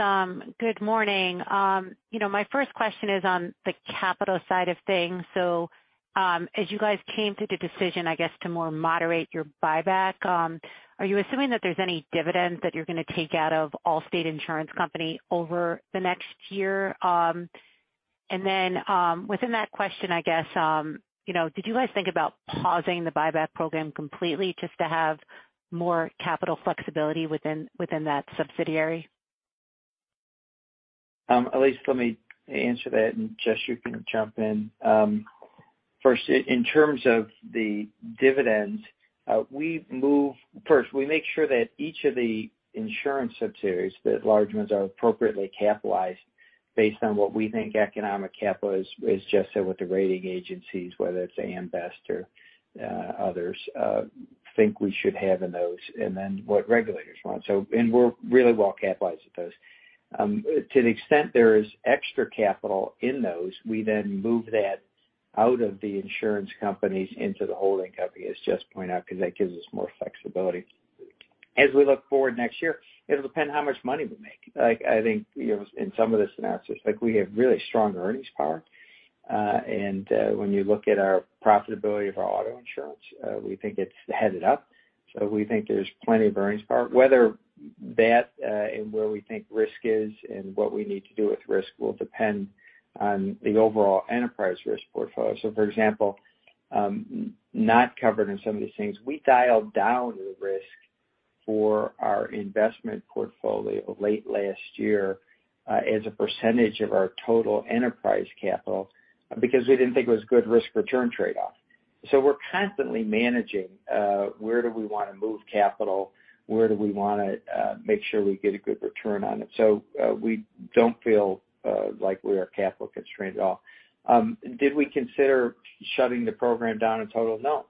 Good morning. You know, my first question is on the capital side of things. As you guys came to the decision, I guess, to more moderate your buyback, are you assuming that there's any dividends that you're gonna take out of Allstate Insurance Company over the next year? Within that question, I guess, you know, did you guys think about pausing the buyback program completely just to have more capital flexibility within that subsidiary? Elyse, let me answer that and Jess, you can jump in. First, in terms of the dividends, we make sure that each of the insurance subsidiaries, the large ones, are appropriately capitalized based on what we think economic capital is just so with the rating agencies, whether it's AM Best or others think we should have in those, and then what regulators want. We're really well capitalized with those. To the extent there is extra capital in those, we then move that out of the insurance companies into the holding company, as Jess pointed out, because that gives us more flexibility. As we look forward next year, it'll depend how much money we make. Like, I think, you know, in some of the scenarios, like we have really strong earnings power. When you look at our profitability of our auto insurance, we think it's headed up. We think there's plenty of earnings power. Whether that and where we think risk is and what we need to do with risk will depend on the overall enterprise risk portfolio. For example, not covered in some of these things, we dialed down the risk for our investment portfolio late last year, as a percentage of our total enterprise capital, because we didn't think it was good risk return trade-off. We're constantly managing, where do we wanna move capital? Where do we wanna make sure we get a good return on it? We don't feel like we are capital constrained at all. Did we consider shutting the program down in total? No.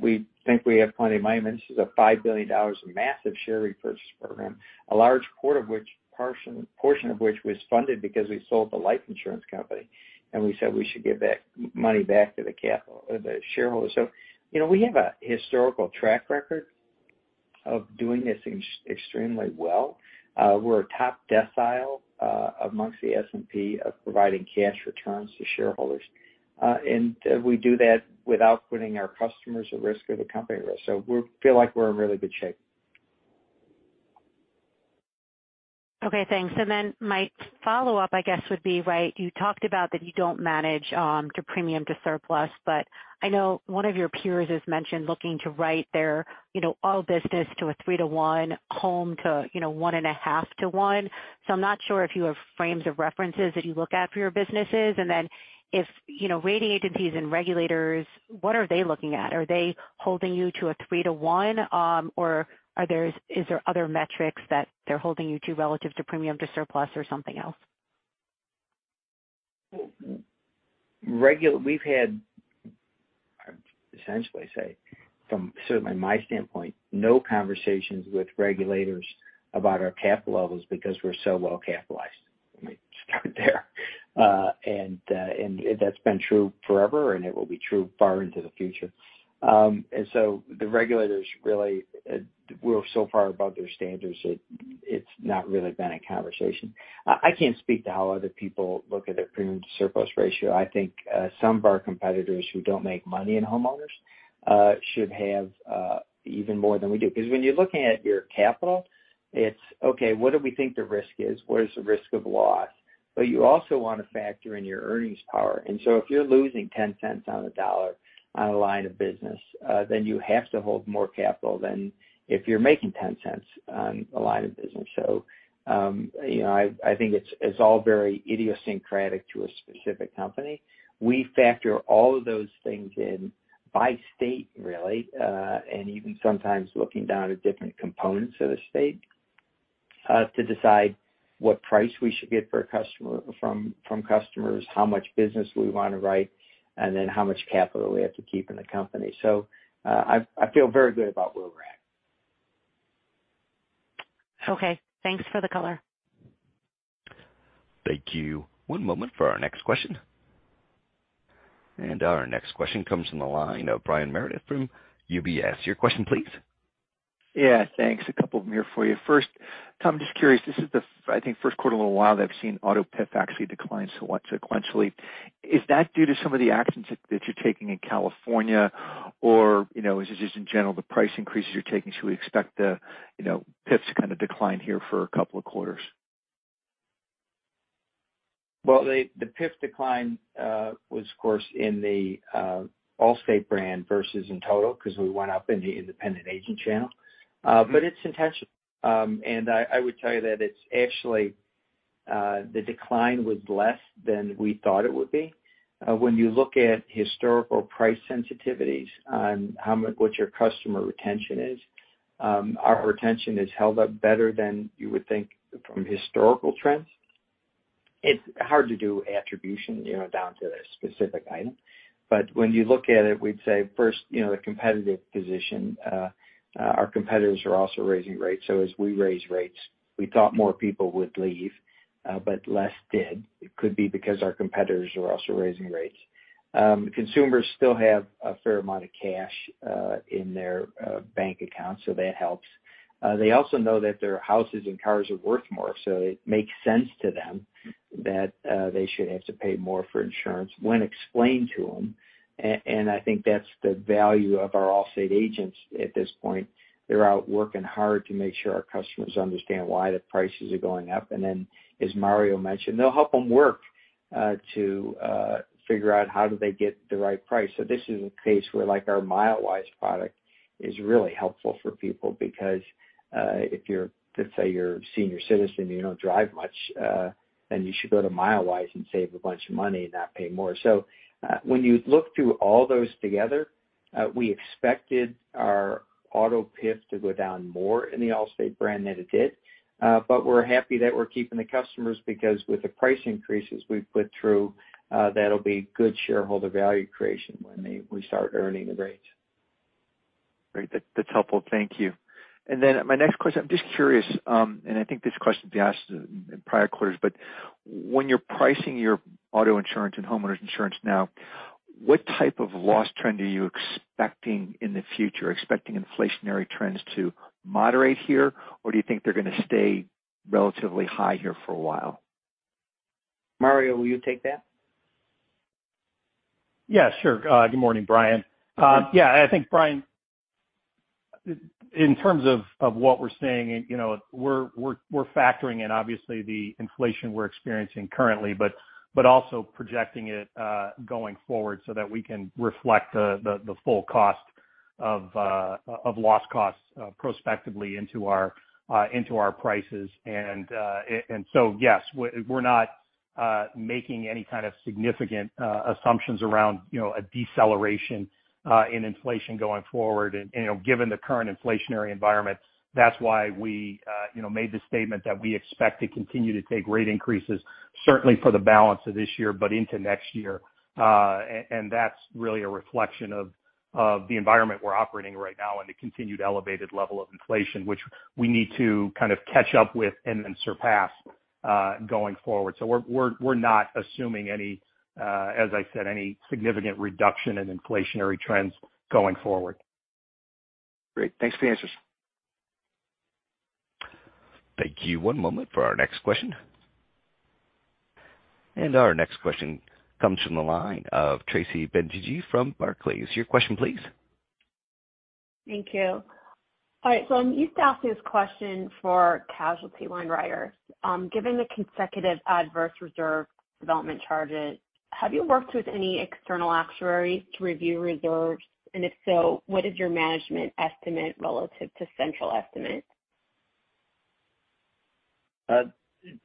We think we have plenty of money. I mean, this is a $5 billion massive share repurchase program, a large portion of which was funded because we sold the life insurance company, and we said we should give money back to the shareholders. You know, we have a historical track record of doing this extremely well. We're a top decile amongst the S&P of providing cash returns to shareholders. And we do that without putting our customers at risk or the company at risk. We feel like we're in really good shape. Okay, thanks. My follow-up, I guess would be, right, you talked about that you don't manage to premium to surplus, but I know one of your peers has mentioned looking to write their, you know, all business to a 3-1, home to, you know, 1.5-1. I'm not sure if you have frames of reference that you look at for your businesses. If, you know, rating agencies and regulators, what are they looking at? Are they holding you to a 3-1? Or are there other metrics that they're holding you to relative to premium to surplus or something else? We've had, essentially, say, from certainly my standpoint, no conversations with regulators about our capital levels because we're so well capitalized. Let me start there. That's been true forever, and it will be true far into the future. The regulators really, we're so far above their standards that it's not really been a conversation. I can't speak to how other people look at their premium to surplus ratio. I think, some of our competitors who don't make money in homeowners, should have, even more than we do. Because when you're looking at your capital, it's, okay, what do we think the risk is? Where is the risk of loss? You also want to factor in your earnings power. If you're losing $0.10 on a dollar on a line of business, then you have to hold more capital than if you're making $0.10 cents on a line of business. You know, I think it's all very idiosyncratic to a specific company. We factor all of those things in by state, really, and even sometimes looking down at different components of the state, to decide what price we should get for a customer, from customers, how much business we want to write, and then how much capital we have to keep in the company. I feel very good about where we're at. Okay. Thanks for the color. Thank you. One moment for our next question. Our next question comes from the line of Brian Meredith from UBS. Your question, please. Yeah, thanks. A couple of them here for you. First, Tom, just curious, this is, I think, the first quarter in a while that I've seen auto PIF actually decline somewhat sequentially. Is that due to some of the actions that you're taking in California? Or, you know, is it just in general, the price increases you're taking? Should we expect the, you know, PIFs to kind of decline here for a couple of quarters? Well, the PIF decline was of course in the Allstate brand versus in total, because we went up in the independent agent channel. It's intentional. I would tell you that it's actually the decline was less than we thought it would be. When you look at historical price sensitivities on how much, what your customer retention is, our retention has held up better than you would think from historical trends. It's hard to do attribution, you know, down to the specific item. When you look at it, we'd say first, you know, the competitive position, our competitors are also raising rates. As we raise rates, we thought more people would leave, but less did. It could be because our competitors are also raising rates. Consumers still have a fair amount of cash in their bank accounts, so that helps. They also know that their houses and cars are worth more, so it makes sense to them that they should have to pay more for insurance when explained to them. I think that's the value of our Allstate agents at this point. They're out working hard to make sure our customers understand why the prices are going up. As Mario mentioned, they'll help them to figure out how they get the right price. This is a case where like our Milewise product is really helpful for people because, if you're, let's say you're a senior citizen, you don't drive much, then you should go to Milewise and save a bunch of money and not pay more. When you look through all those together, we expected our auto PIF to go down more in the Allstate brand than it did. We're happy that we're keeping the customers because with the price increases we've put through, that'll be good shareholder value creation when we start earning the rates. Great. That's helpful. Thank you. My next question, I'm just curious, and I think this question has been asked in prior quarters, but when you're pricing your auto insurance and homeowners insurance now, what type of loss trend are you expecting in the future? Are you expecting inflationary trends to moderate here, or do you think they're gonna stay relatively high here for a while? Mario, will you take that? Yeah, sure. Good morning, Brian. Yeah, I think, Brian, in terms of what we're seeing, you know, we're factoring in obviously the inflation we're experiencing currently, but also projecting it going forward so that we can reflect the full cost of loss costs prospectively into our prices. So, yes, we're not making any kind of significant assumptions around, you know, a deceleration in inflation going forward. You know, given the current inflationary environment, that's why we made the statement that we expect to continue to take rate increases, certainly for the balance of this year, but into next year. That's really a reflection of the environment we're operating right now and the continued elevated level of inflation, which we need to kind of catch up with and then surpass going forward. We're not assuming any, as I said, significant reduction in inflationary trends going forward. Great. Thanks for the answers. Thank you. One moment for our next question. Our next question comes from the line of Tracy Benguigui from Barclays. Your question please. Thank you. All right. I'm used to asking this question for casualty line writers. Given the consecutive adverse reserve development charges, have you worked with any external actuaries to review reserves? If so, what is your management estimate relative to central estimate?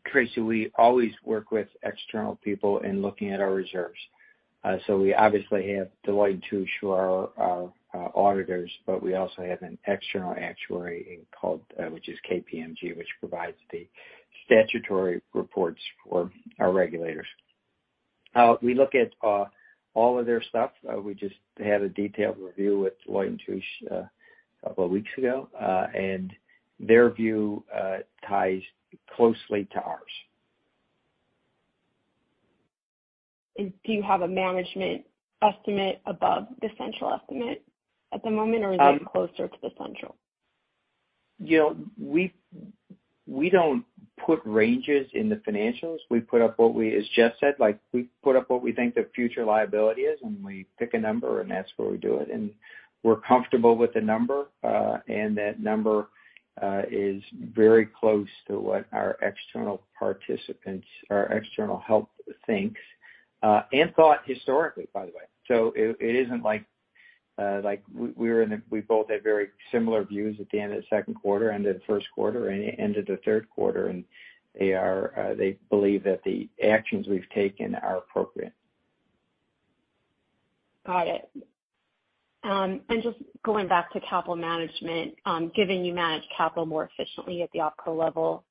Tracy, we always work with external people in looking at our reserves. We obviously have Deloitte & Touche, our auditors, but we also have an external actuary called KPMG, which provides the statutory reports for our regulators. We look at all of their stuff. We just had a detailed review with Deloitte & Touche, a couple of weeks ago, and their view ties closely to ours. Do you have a management estimate above the central estimate at the moment, or are you closer to the central? You know, we don't put ranges in the financials. We put up what we, as Jess said, like we put up what we think the future liability is, and we pick a number, and that's where we do it. We're comfortable with the number. That number is very close to what our external participants or external help thinks, and thought historically, by the way. It isn't like. We both have very similar views at the end of the second quarter, end of the first quarter and end of the third quarter. They believe that the actions we've taken are appropriate. Got it. Just going back to capital management, given you manage capital more efficiently at the opco level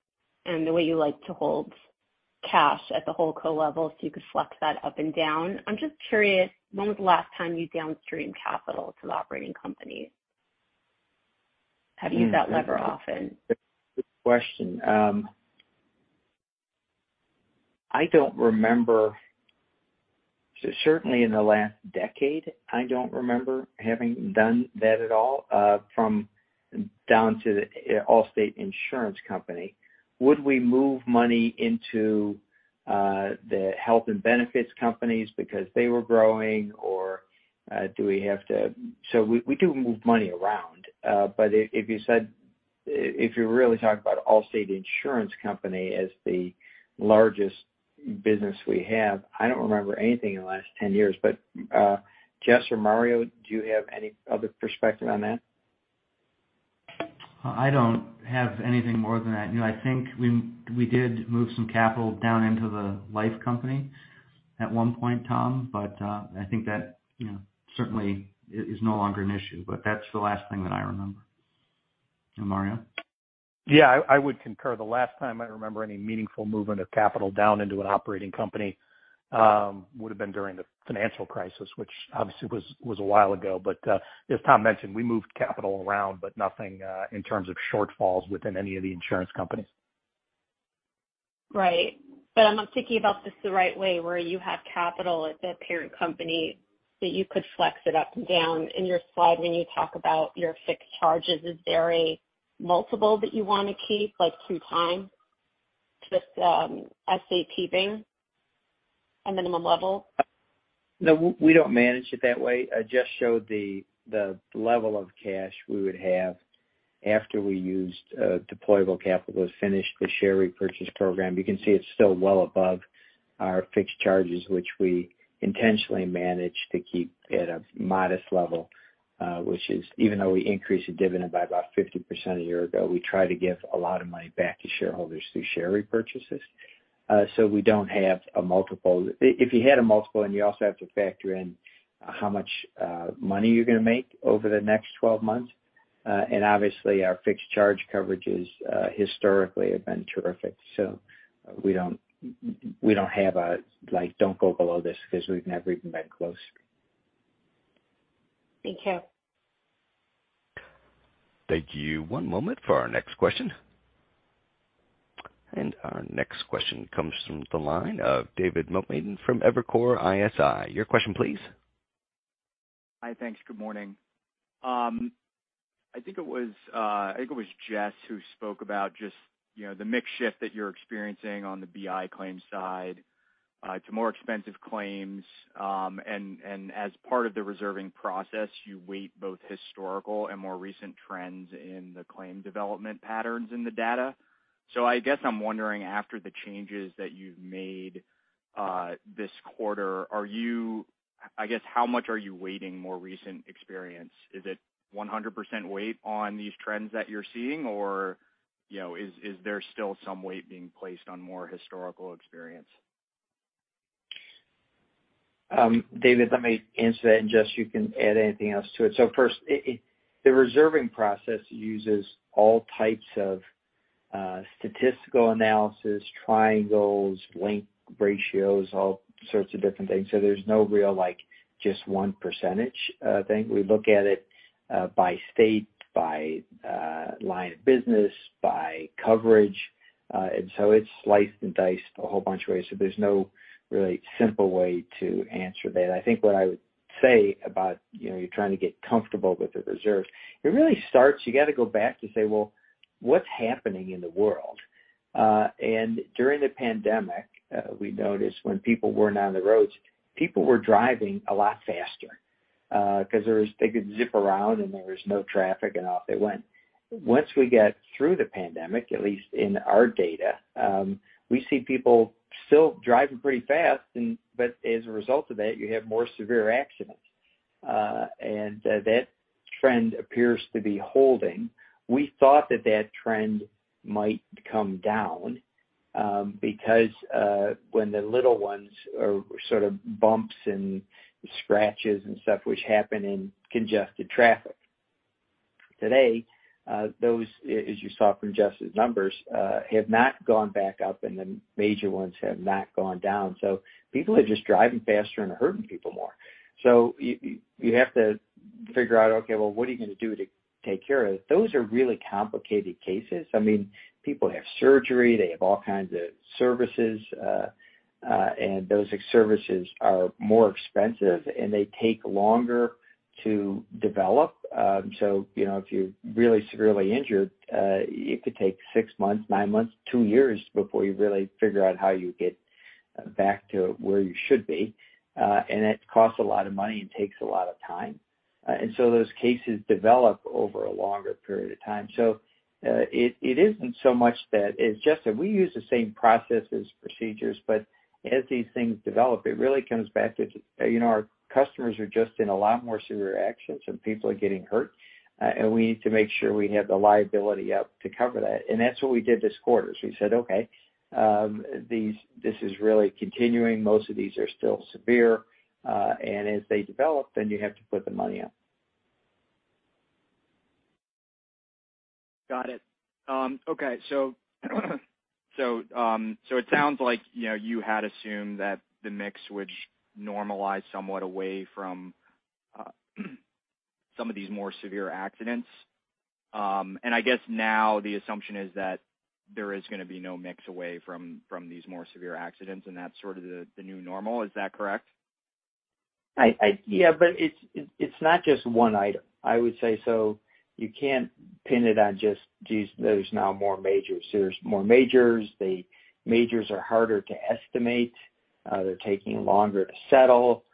and the way you like to hold cash at the holdco level, so you could flex that up and down. I'm just curious, when was the last time you downstreamed capital to the operating company? Have you used that lever often? Good question. I don't remember. Certainly in the last decade, I don't remember having done that at all from down to Allstate Insurance Company. Would we move money into the health and benefits companies because they were growing or do we have to? We do move money around. If you said, if you really talk about Allstate Insurance Company as the largest business we have, I don't remember anything in the last 10 years. Jess or Mario, do you have any other perspective on that? I don't have anything more than that. You know, I think we did move some capital down into the life company at one point, Tom, but I think that, you know, certainly is no longer an issue. But that's the last thing that I remember. Mario? Yeah, I would concur. The last time I remember any meaningful movement of capital down into an operating company would have been during the financial crisis, which obviously was a while ago. As Tom mentioned, we moved capital around, but nothing in terms of shortfalls within any of the insurance companies. Right. I'm not thinking about this the right way, where you have capital at the parent company that you could flex it up and down. In your slide, when you talk about your fixed charges, is there a multiple that you wanna keep, like through time to this, SAP being a minimum level? No, we don't manage it that way. I just showed the level of cash we would have after we used deployable capital to finish the share repurchase program. You can see it's still well above our fixed charges, which we intentionally manage to keep at a modest level, which is even though we increased the dividend by about 50% a year ago, we try to give a lot of money back to shareholders through share repurchases. We don't have a multiple. If you had a multiple and you also have to factor in how much money you're gonna make over the next 12 months, and obviously our fixed charge coverages historically have been terrific. We don't have a like don't go below this because we've never even been close. Thank you. Thank you. One moment for our next question. Our next question comes from the line of David Motemaden from Evercore ISI. Your question, please. Hi. Thanks. Good morning. I think it was Jess who spoke about just, you know, the mix shift that you're experiencing on the BI claim side, to more expensive claims, and as part of the reserving process, you weight both historical and more recent trends in the claim development patterns in the data. I guess I'm wondering, after the changes that you've made this quarter, are you I guess, how much are you weighting more recent experience? Is it 100% weight on these trends that you're seeing? Or, you know, is there still some weight being placed on more historical experience? David, let me answer that, and Jess, you can add anything else to it. First, the reserving process uses all types of statistical analysis, triangles, link ratios, all sorts of different things. There's no real, like, just 1 percentage thing. We look at it by state, by line of business, by coverage. It's sliced and diced a whole bunch of ways. There's no really simple way to answer that. I think what I would say about, you know, you're trying to get comfortable with the reserve, it really starts, you got to go back to say, well, what's happening in the world? During the pandemic, we noticed when people weren't on the roads, people were driving a lot faster because they could zip around and there was no traffic and off they went. Once we get through the pandemic, at least in our data, we see people still driving pretty fast, but as a result of that, you have more severe accidents. That trend appears to be holding. We thought that trend might come down because when the little ones are sort of bumps and scratches and stuff which happen in congested traffic. Today, those, as you saw from Jess's numbers, have not gone back up and the major ones have not gone down. People are just driving faster and hurting people more. You have to figure out, okay, well, what are you going to do to take care of it? Those are really complicated cases. I mean, people have surgery, they have all kinds of services, and those services are more expensive, and they take longer to develop. You know, if you're really severely injured, it could take six months, nine months, two years before you really figure out how you get back to where you should be. It costs a lot of money and takes a lot of time. Those cases develop over a longer period of time. It isn't so much that it's just that we use the same processes, procedures, but as these things develop, it really comes back to, you know, our customers are just in a lot more severe accidents and people are getting hurt. We need to make sure we have the liability up to cover that. That's what we did this quarter. We said, okay, this is really continuing. Most of these are still severe. As they develop, then you have to put the money up. Got it. Okay. It sounds like, you know, you had assumed that the mix would normalize somewhat away from some of these more severe accidents. I guess now the assumption is that there is gonna be no mix away from these more severe accidents, and that's sort of the new normal. Is that correct? Yeah, it's not just one item, I would say. You can't pin it on just, geez, there's now more majors. Majors are harder to estimate. They're taking longer to settle.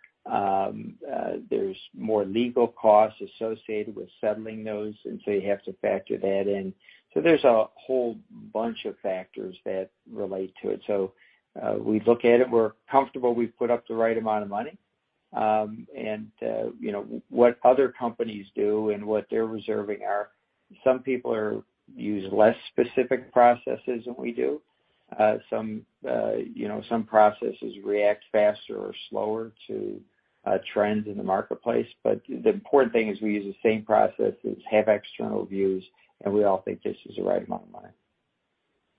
There's more legal costs associated with settling those, and so you have to factor that in. There's a whole bunch of factors that relate to it. We look at it, we're comfortable we've put up the right amount of money. You know, what other companies do and what they're reserving are. Some people use less specific processes than we do. You know, some processes react faster or slower to trends in the marketplace. The important thing is we use the same processes, have external views, and we all think this is the right amount of money.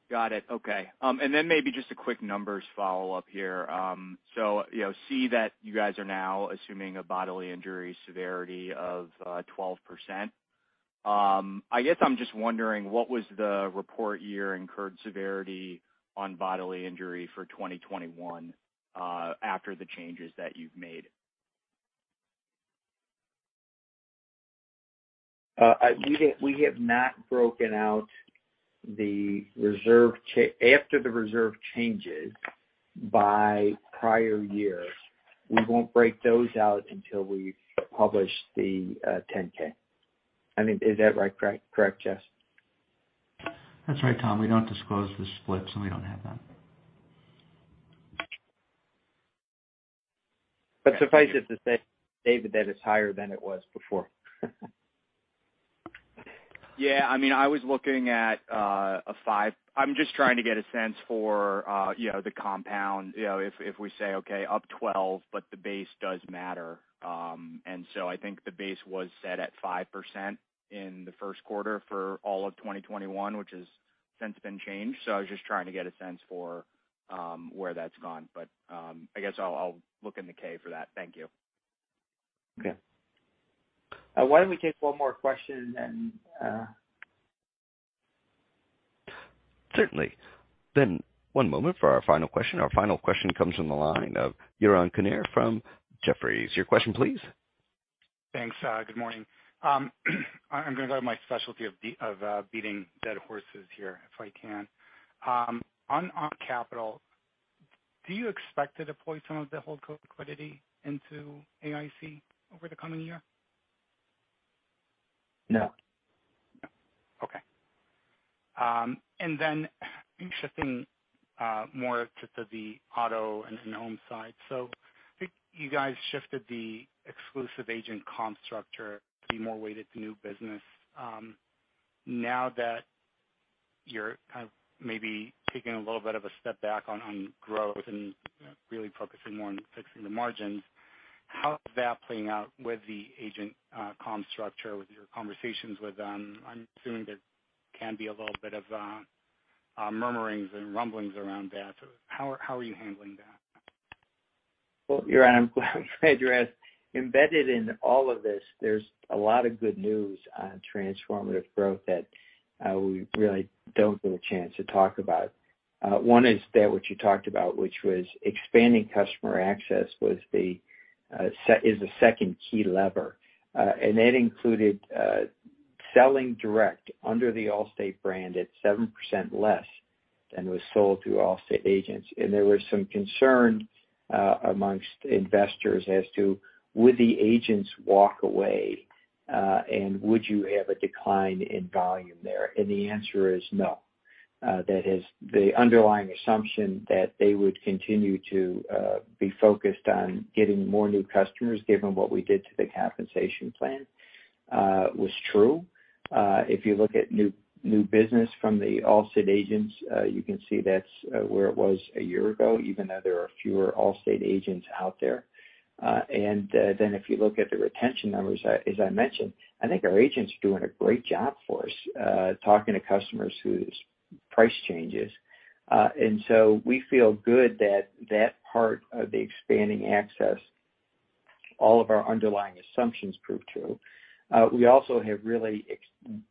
Got it. Okay. Maybe just a quick numbers follow-up here. You know, see that you guys are now assuming a bodily injury severity of 12%. I guess I'm just wondering, what was the report year incurred severity on bodily injury for 2021 after the changes that you've made? We have not broken out the reserve changes by prior years. We won't break those out until we publish the 10-K. I mean, is that right, correct, Jess? That's right, Tom. We don't disclose the splits, and we don't have that. Suffice it to say, David, that it's higher than it was before. Yeah, I mean, I was looking at a 5%. I'm just trying to get a sense for, you know, the compound, you know, if we say, okay, up 12%, but the base does matter. I think the base was set at 5% in the first quarter for all of 2021, which has since been changed. I was just trying to get a sense for where that's gone. I guess I'll look in the 10-K for that. Thank you. Okay. Why don't we take one more question. Certainly. One moment for our final question. Our final question comes from the line of Yaron Kinar from Jefferies. Your question, please. Thanks, good morning. I'm gonna go to my specialty of beating dead horses here, if I can. On capital, do you expect to deploy some of the holdco liquidity into AIC over the coming year? No. Okay. Shifting more to the auto and home side. You guys shifted the exclusive agent comp structure to be more weighted to new business. Now that you're kind of maybe taking a little bit of a step back on growth and really focusing more on fixing the margins, how is that playing out with the agent comp structure with your conversations with them? I'm assuming there can be a little bit of murmurings and rumblings around that. How are you handling that? Well, Yaron, I'm glad you asked. Embedded in all of this, there's a lot of good news on Transformative Growth that we really don't get a chance to talk about. One is that what you talked about, which was expanding customer access, is the second key lever. And that included selling direct under the Allstate brand at 7% less than was sold to Allstate agents. There was some concern among investors as to would the agents walk away, and would you have a decline in volume there? The answer is no. That is the underlying assumption that they would continue to be focused on getting more new customers given what we did to the compensation plan was true. If you look at new business from the Allstate agents, you can see that's where it was a year ago, even though there are fewer Allstate agents out there. If you look at the retention numbers, as I mentioned, I think our agents are doing a great job for us, talking to customers whose price changes. We feel good that part of the expanding access, all of our underlying assumptions prove true. We also have really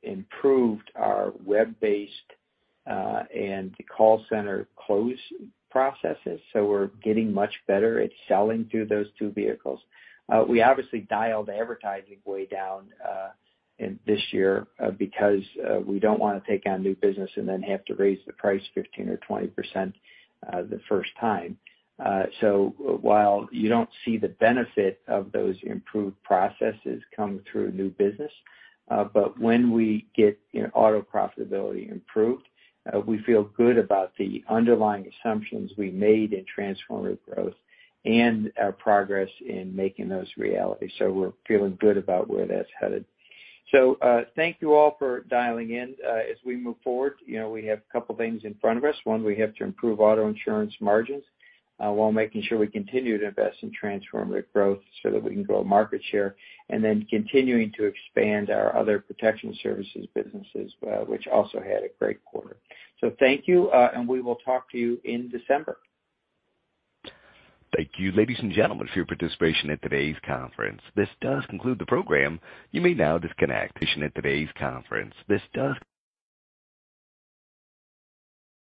improved our web-based and the call center close processes, so we're getting much better at selling through those two vehicles. We obviously dialed advertising way down, in this year, because we don't wanna take on new business and then have to raise the price 15% or 20%, the first time. While you don't see the benefit of those improved processes come through new business, but when we get auto profitability improved, we feel good about the underlying assumptions we made in Transformative Growth and our progress in making those a reality. We're feeling good about where that's headed. Thank you all for dialing in. As we move forward, you know, we have a couple of things in front of us. One, we have to improve auto insurance margins while making sure we continue to invest in Transformative Growth so that we can grow market share. Then continuing to expand our other Protection Services businesses, which also had a great quarter. Thank you, and we will talk to you in December. Thank you, ladies and gentlemen, for your participation in today's conference. This does conclude the program. You may now disconnect.